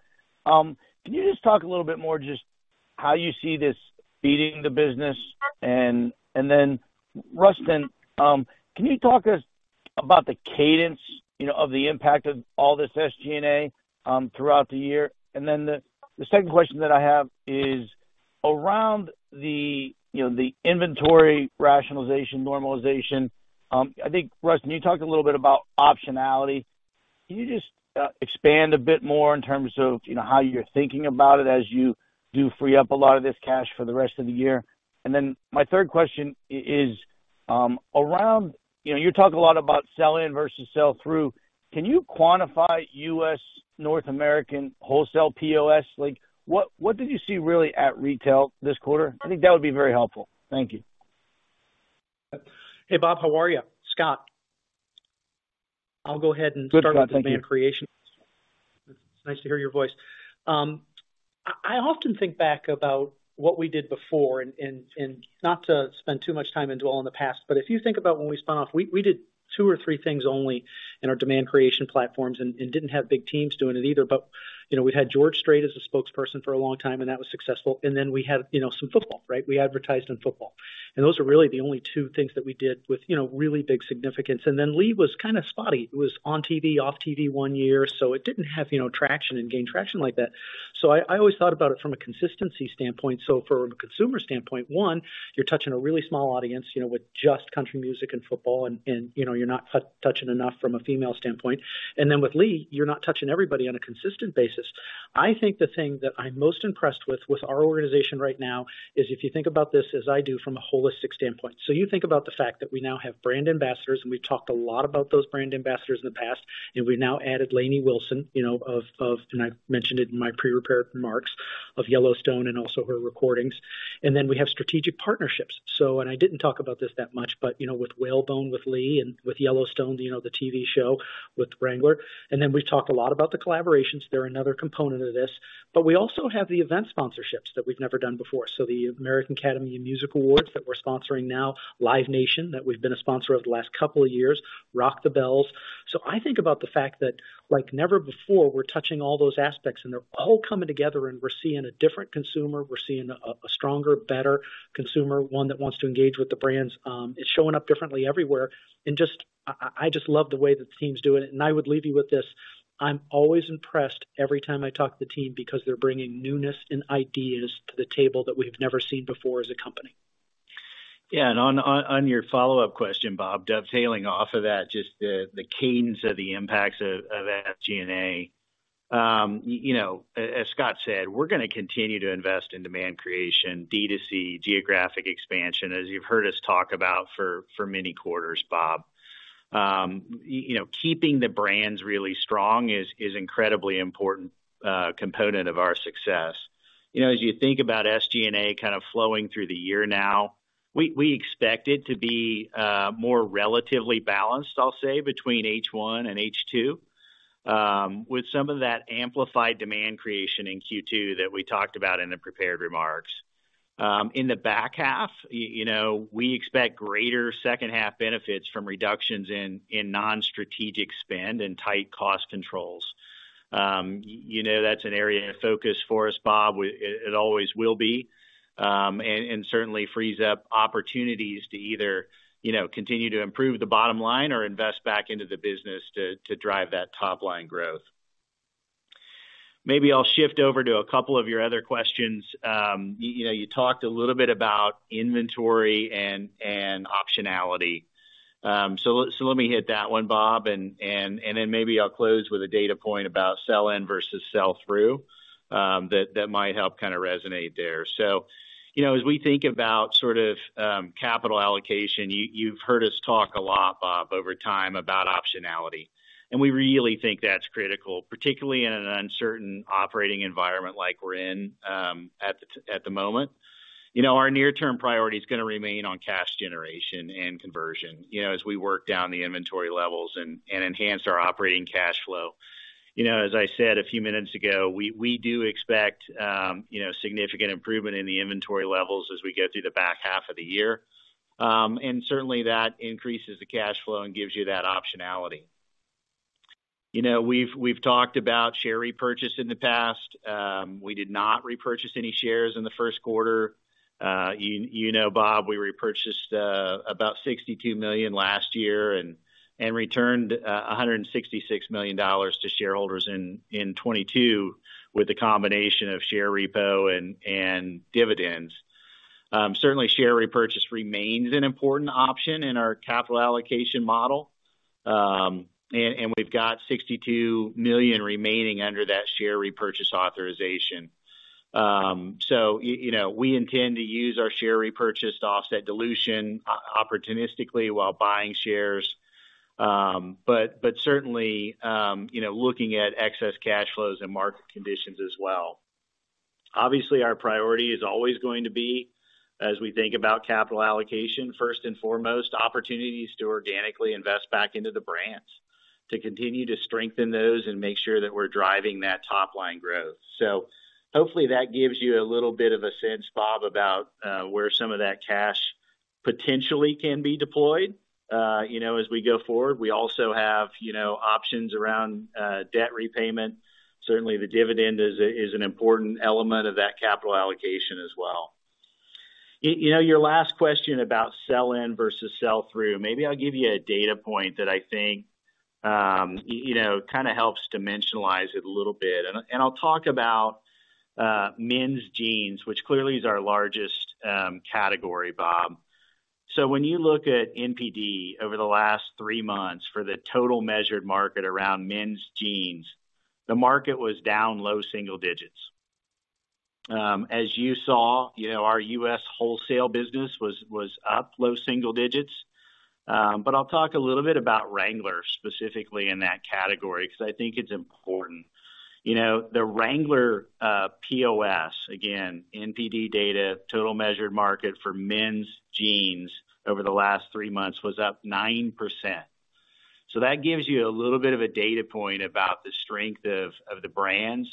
Can you just talk a little bit more just how you see this feeding the business? Rustin, can you talk us about the cadence, you know, of the impact of all this SG&A throughout the year? The second question that I have is around the, you know, the inventory rationalization normalization, I think, Rustin, you talked a little bit about optionality. Can you just expand a bit more in terms of, you know, how you're thinking about it as you do free up a lot of this cash for the rest of the year? My third question is around. You know, you talk a lot about sell-in versus sell-through. Can you quantify U.S. North American wholesale POS? Like, what did you see really at retail this quarter? I think that would be very helpful. Thank you. Hey, Bob. How are ya? Scott. I'll go ahead and start- with the demand creation. It's nice to hear your voice. I often think back about what we did before, and not to spend too much time and dwell on the past, but if you think about when we spun off, we did two or three things only in our demand creation platforms and didn't have big teams doing it either. You know, we'd had George Strait as a spokesperson for a long time, and that was successful. Then we had, you know, some football, right? We advertised in football. Those are really the only two things that we did with, you know, really big significance. Then Lee was kinda spotty. It was on TV, off TV one year. It didn't have, you know, traction and gain traction like that. I always thought about it from a consistency standpoint. From a consumer standpoint, one, you're touching a really small audience, you know, with just country music and football and, you know, you're not touching enough from a female standpoint. With Lee, you're not touching everybody on a consistent basis. I think the thing that I'm most impressed with our organization right now, is if you think about this as I do from a holistic standpoint. You think about the fact that we now have brand ambassadors, and we've talked a lot about those brand ambassadors in the past, and we've now added Lainey Wilson, you know, and I mentioned it in my pre-prepared remarks, of Yellowstone and also her recordings. Then we have strategic partnerships. And I didn't talk about this that much, but, you know, with Whalebone, with Lee, and with Yellowstone, you know, the TV show with Wrangler. Then we talk a lot about the collaborations. They're another component of this. We also have the event sponsorships that we've never done before. The Academy of Country Music Awards that we're sponsoring now, Live Nation, that we've been a sponsor of the last couple of years, Rock The Bells. I think about the fact that like never before, we're touching all those aspects, and they're all coming together, and we're seeing a different consumer. We're seeing a stronger, better consumer, one that wants to engage with the brands, is showing up differently everywhere. I just love the way that the team's doing it. I would leave you with this. I'm always impressed every time I talk to the team because they're bringing newness and ideas to the table that we've never seen before as a company. On your follow-up question, Bob, dovetailing off of that, just the cadence of the impacts of SG&A. You know, as Scott said, we're gonna continue to invest in demand creation, DTC, geographic expansion, as you've heard us talk about for many quarters, Bob. You know, keeping the brands really strong is incredibly important component of our success. You know, as you think about SG&A kind of flowing through the year now, we expect it to be more relatively balanced, I'll say, between H1 and H2, with some of that amplified demand creation in Q2 that we talked about in the prepared remarks. In the back half, you know, we expect greater second half benefits from reductions in non-strategic spend and tight cost controls. You know, that's an area of focus for us, Bob. It always will be. Certainly frees up opportunities to either, you know, continue to improve the bottom line or invest back into the business to drive that top-line growth. Maybe I'll shift over to a couple of your other questions. You know, you talked a little bit about inventory and optionality. Let me hit that one, Bob, and then maybe I'll close with a data point about sell-in versus sell-through, that might help kinda resonate there. You know, as we think about sort of capital allocation, you've heard us talk a lot, Bob, over time about optionality. We really think that's critical, particularly in an uncertain operating environment like we're in at the moment. You know, our near-term priority is gonna remain on cash generation and conversion, you know, as we work down the inventory levels and enhance our operating cash flow. You know, as I said a few minutes ago, we do expect, you know, significant improvement in the inventory levels as we get through the back half of the year. Certainly that increases the cash flow and gives you that optionality. You know, we've talked about share repurchase in the past. We did not repurchase any shares in the first quarter. You know, Bob, we repurchased about $62 million last year and returned $166 million to shareholders in 2022 with the combination of share repo and dividends. Certainly share repurchase remains an important option in our capital allocation model. We've got $62 million remaining under that share repurchase authorization. You know, we intend to use our share repurchase to offset dilution opportunistically while buying shares, but certainly, you know, looking at excess cash flows and market conditions as well. Obviously, our priority is always going to be, as we think about capital allocation, first and foremost, opportunities to organically invest back into the brands, to continue to strengthen those and make sure that we're driving that top-line growth. Hopefully that gives you a little bit of a sense, Bob, about where some of that cash potentially can be deployed, you know, as we go forward. We also have, you know, options around debt repayment. Certainly, the dividend is an important element of that capital allocation as well. You know, your last question about sell-in versus sell-through, maybe I'll give you a data point that I think, you know, kind of helps dimensionalize it a little bit. I'll talk about men's jeans, which clearly is our largest category, Bob. When you look at NPD over the last three months for the total measured market around men's jeans, the market was down low single digits. As you saw, you know, our U.S. wholesale business was up low single digits. I'll talk a little bit about Wrangler specifically in that category because I think it's important. You know, the Wrangler POS, again, NPD data, total measured market for men's jeans over the last three months was up 9%. That gives you a little bit of a data point about the strength of the brands,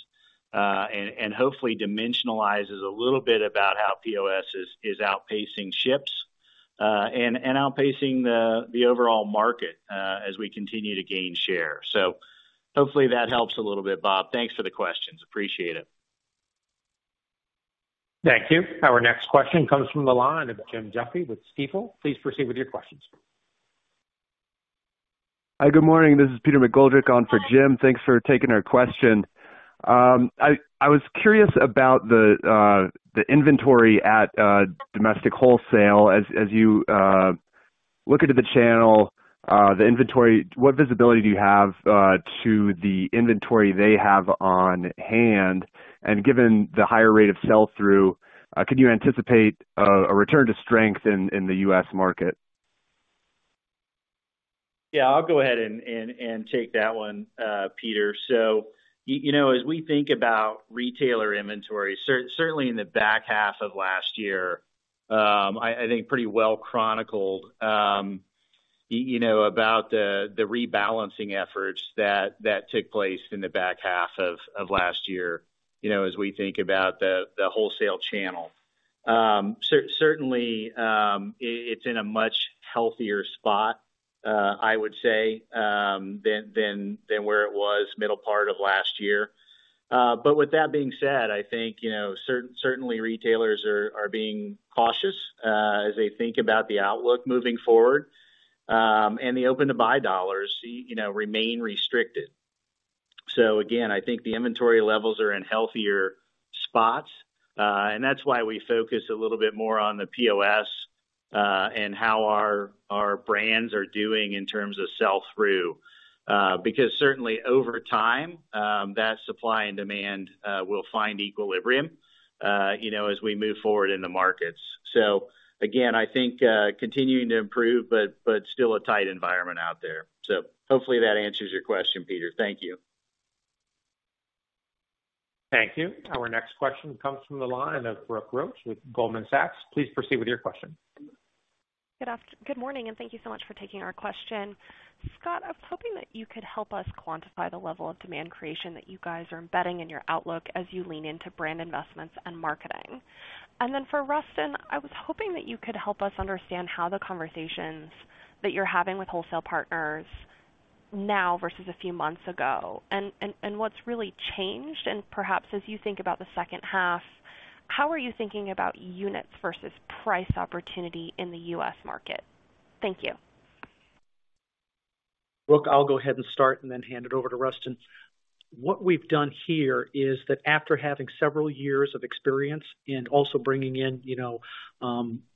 and hopefully dimensionalizes a little bit about how POS is outpacing ships, and outpacing the overall market, as we continue to gain share. Hopefully that helps a little bit, Bob. Thanks for the questions. Appreciate it. Thank you. Our next question comes from the line of Jim Duffy with Stifel. Please proceed with your questions. Hi, good morning. This is Peter McGoldrick on for Jim. Thanks for taking our question. I was curious about the inventory at domestic wholesale. As you look into the channel, the inventory, what visibility do you have to the inventory they have on hand? Given the higher rate of sell-through, can you anticipate a return to strength in the U.S. market? Yeah, I'll go ahead and take that one, Peter. You know, as we think about retailer inventory, certainly in the back half of last year, I think pretty well chronicled, you know, about the rebalancing efforts that took place in the back half of last year, you know, as we think about the wholesale channel. Certainly, it's in a much healthier spot, I would say, than where it was middle part of last year. With that being said, I think, you know, certainly retailers are being cautious, as they think about the outlook moving forward, and the open to buy dollars, you know, remain restricted. Again, I think the inventory levels are in healthier spots. And that's why we focus a little bit more on the POS, and how our brands are doing in terms of sell through. Because certainly over time, that supply and demand will find equilibrium, you know, as we move forward in the markets. Again, I think, continuing to improve, but still a tight environment out there. Hopefully that answers your question, Peter. Thank you. Thank you. Our next question comes from the line of Brooke Roach with Goldman Sachs. Please proceed with your question. Good morning. Thank you so much for taking our question. Scott, I was hoping that you could help us quantify the level of demand creation that you guys are embedding in your outlook as you lean into brand investments and marketing. For Rustin, I was hoping that you could help us understand how the conversations that you're having with wholesale partners now versus a few months ago and what's really changed. Perhaps as you think about the second half, how are you thinking about units versus price opportunity in the U.S. market? Thank you. Brooke, I'll go ahead and start and then hand it over to Rustin. What we've done here is that after having several years of experience and also bringing in, you know,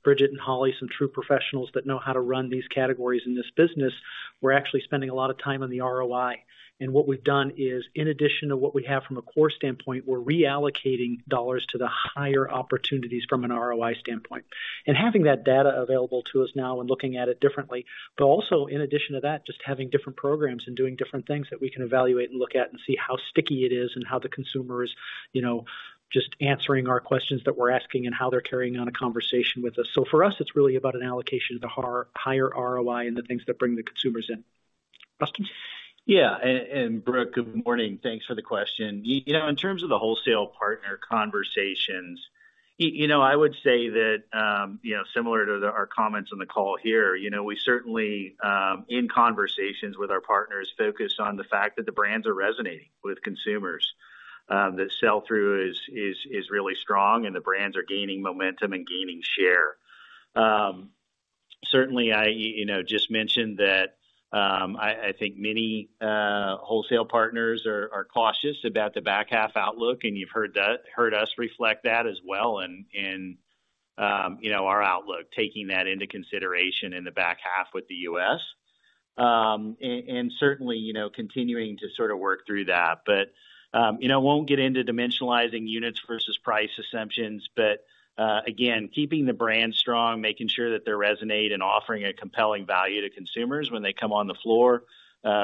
Bridget and Holly, some true professionals that know how to run these categories in this business, we're actually spending a lot of time on the ROI. What we've done is, in addition to what we have from a core standpoint, we're reallocating dollars to the higher opportunities from an ROI standpoint. Having that data available to us now and looking at it differently, but also in addition to that, just having different programs and doing different things that we can evaluate and look at and see how sticky it is and how the consumer is, you know, just answering our questions that we're asking and how they're carrying on a conversation with us. For us, it's really about an allocation to higher ROI and the things that bring the consumers in. Rustin. Yeah. Brooke, good morning. Thanks for the question. You know, in terms of the wholesale partner conversations, you know, I would say that, you know, similar to our comments on the call here, you know, we certainly, in conversations with our partners, focus on the fact that the brands are resonating with consumers, that sell through is really strong and the brands are gaining momentum and gaining share. Certainly I, you know, just mentioned that, I think many wholesale partners are cautious about the back half outlook, you've heard us reflect that as well in, you know, our outlook, taking that into consideration in the back half with the U.S. Certainly, you know, continuing to sort of work through that. You know, I won't get into dimensionalizing units versus price assumptions, but, again, keeping the brand strong, making sure that they resonate and offering a compelling value to consumers when they come on the floor,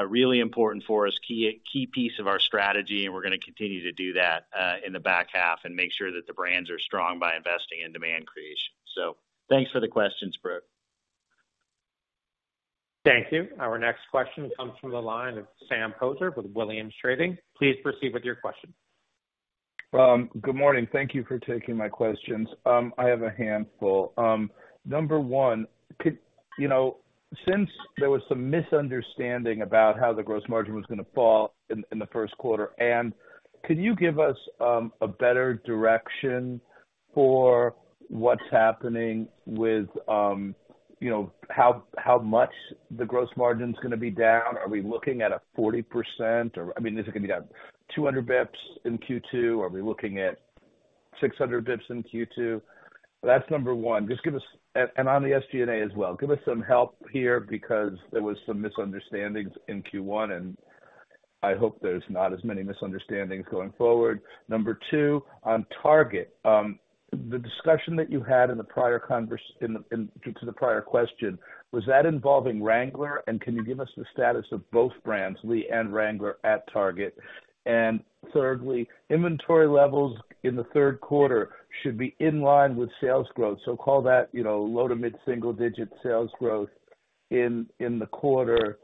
really important for us, key piece of our strategy, and we're gonna continue to do that, in the back half and make sure that the brands are strong by investing in demand creation. Thanks for the questions, Brooke. Thank you. Our next question comes from the line of Sam Poser with Williams Trading. Please proceed with your question. Good morning. Thank you for taking my questions. I have a handful. Number one, you know, since there was some misunderstanding about how the gross margin was gonna fall in the first quarter, can you give us a better direction for what's happening with, you know, how much the gross margin is gonna be down? Are we looking at a 40% or, I mean, is it gonna be down 200 basis points in Q2? Are we looking at 600 basis points in Q2? That's number one. Just give us. On the SG&A as well. Give us some help here because there was some misunderstandings in Q1, and I hope there's not as many misunderstandings going forward. Number two, on Target, the discussion that you had in the prior conversation to the prior question, was that involving Wrangler? Can you give us the status of both brands, Lee and Wrangler, at Target? Thirdly, inventory levels in the third quarter should be in line with sales growth. Call that, you know, low to mid-single-digit sales growth in the quarter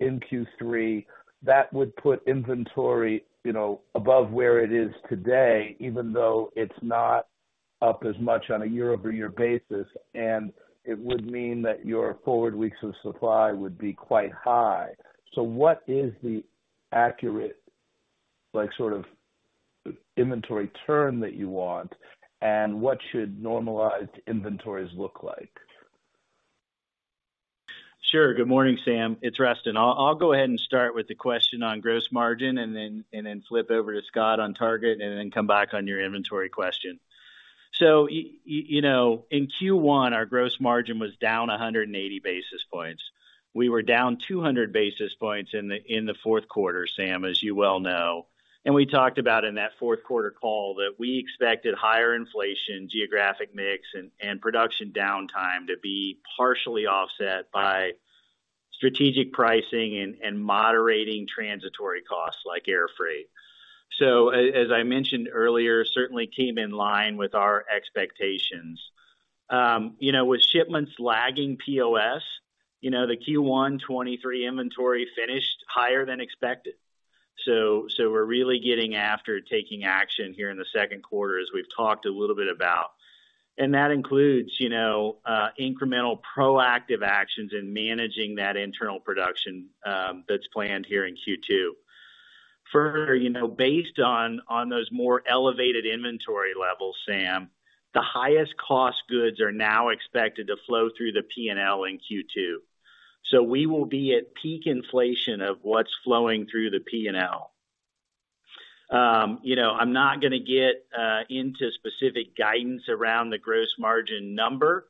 in Q3. That would put inventory, you know, above where it is today, even though it's not up as much on a year-over-year basis. It would mean that your forward weeks of supply would be quite high. What is the accurate, like, sort of inventory turn that you want, and what should normalized inventories look like? Sure. Good morning, Sam. It's Rustin. I'll go ahead and start with the question on gross margin and then flip over to Scott on Target and then come back on your inventory question. You know, in Q1, our gross margin was down 180 basis points. We were down 200 basis points in the fourth quarter, Sam, as you well know. We talked about in that fourth quarter call that we expected higher inflation, geographic mix and production downtime to be partially offset by strategic pricing and moderating transitory costs like air freight. As I mentioned earlier, certainly came in line with our expectations. You know, with shipments lagging POS, you know, the Q1 '23 inventory finished higher than expected. We're really getting after taking action here in the second quarter as we've talked a little bit about. That includes, you know, incremental proactive actions in managing that internal production that's planned here in Q2. Further, you know, based on those more elevated inventory levels, Sam, the highest cost goods are now expected to flow through the P&L in Q2. We will be at peak inflation of what's flowing through the P&L. You know, I'm not gonna get into specific guidance around the gross margin number,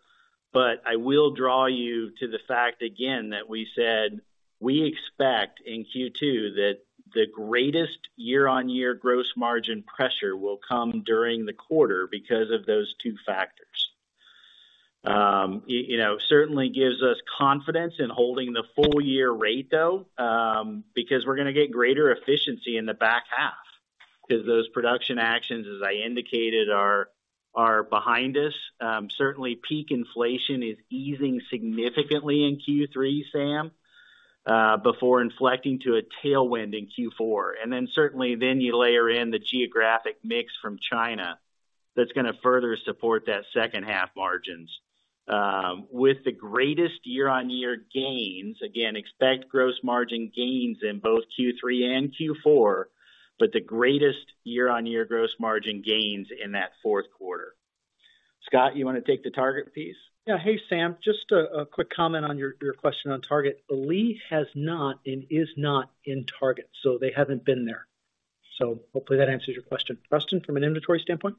but I will draw you to the fact again that we said we expect in Q2 that the greatest year-on-year gross margin pressure will come during the quarter because of those two factors. Certainly gives us confidence in holding the full year rate though, because we're gonna get greater efficiency in the back half, 'cause those production actions, as I indicated, are behind us. Certainly peak inflation is easing significantly in Q3, Sam, before inflecting to a tailwind in Q4. Certainly then you layer in the geographic mix from China that's gonna further support that second half margins. With the greatest year-on-year gains, again, expect gross margin gains in both Q3 and Q4, but the greatest year-on-year gross margin gains in that fourth quarter. Scott, you wanna take the Target piece? Yeah. Hey, Sam. Just a quick comment on your question on Target. Lee has not and is not in Target, so they haven't been there. Hopefully that answers your question. Rustin, from an inventory standpoint?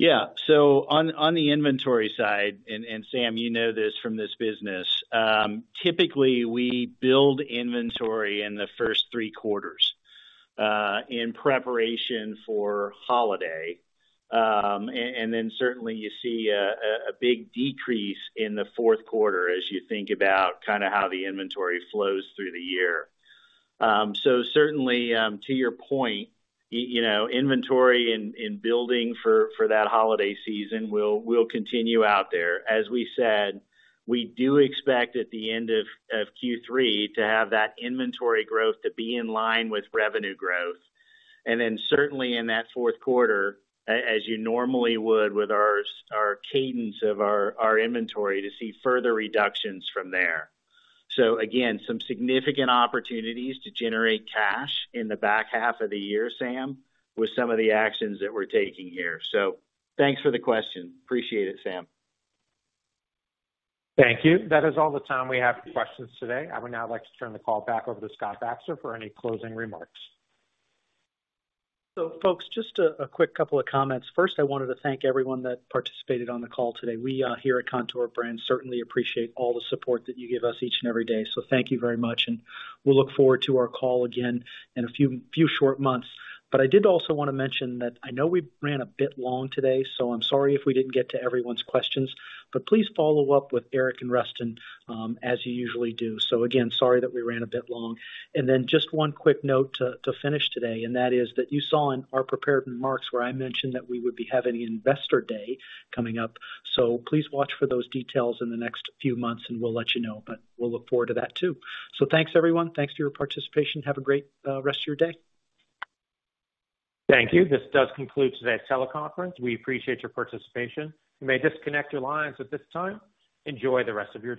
On the inventory side, and Sam, you know this from this business, typically we build inventory in the first three quarters in preparation for holiday. Then certainly you see a big decrease in the fourth quarter as you think about kinda how the inventory flows through the year. Certainly, to your point, you know, inventory and building for that holiday season will continue out there. As we said, we do expect at the end of Q3 to have that inventory growth to be in line with revenue growth. Then certainly in that fourth quarter, as you normally would with our cadence of our inventory, to see further reductions from there. Again, some significant opportunities to generate cash in the back half of the year, Sam, with some of the actions that we're taking here. Thanks for the question. Appreciate it, Sam. Thank you. That is all the time we have for questions today. I would now like to turn the call back over to Scott Baxter for any closing remarks. Folks, just a quick couple of comments. First, I wanted to thank everyone that participated on the call today. We here at Kontoor Brands certainly appreciate all the support that you give us each and every day, so thank you very much, and we'll look forward to our call again in a few short months. I did also wanna mention that I know we ran a bit long today, so I'm sorry if we didn't get to everyone's questions, but please follow up with Eric and Rustin as you usually do. Again, sorry that we ran a bit long. Just one quick note to finish today, and that is that you saw in our prepared remarks where I mentioned that we would be having an investor day coming up. Please watch for those details in the next few months. We'll let you know. We'll look forward to that too. Thanks everyone. Thanks for your participation. Have a great rest of your day. Thank you. This does conclude today's teleconference. We appreciate your participation. You may disconnect your lines at this time. Enjoy the rest of your day.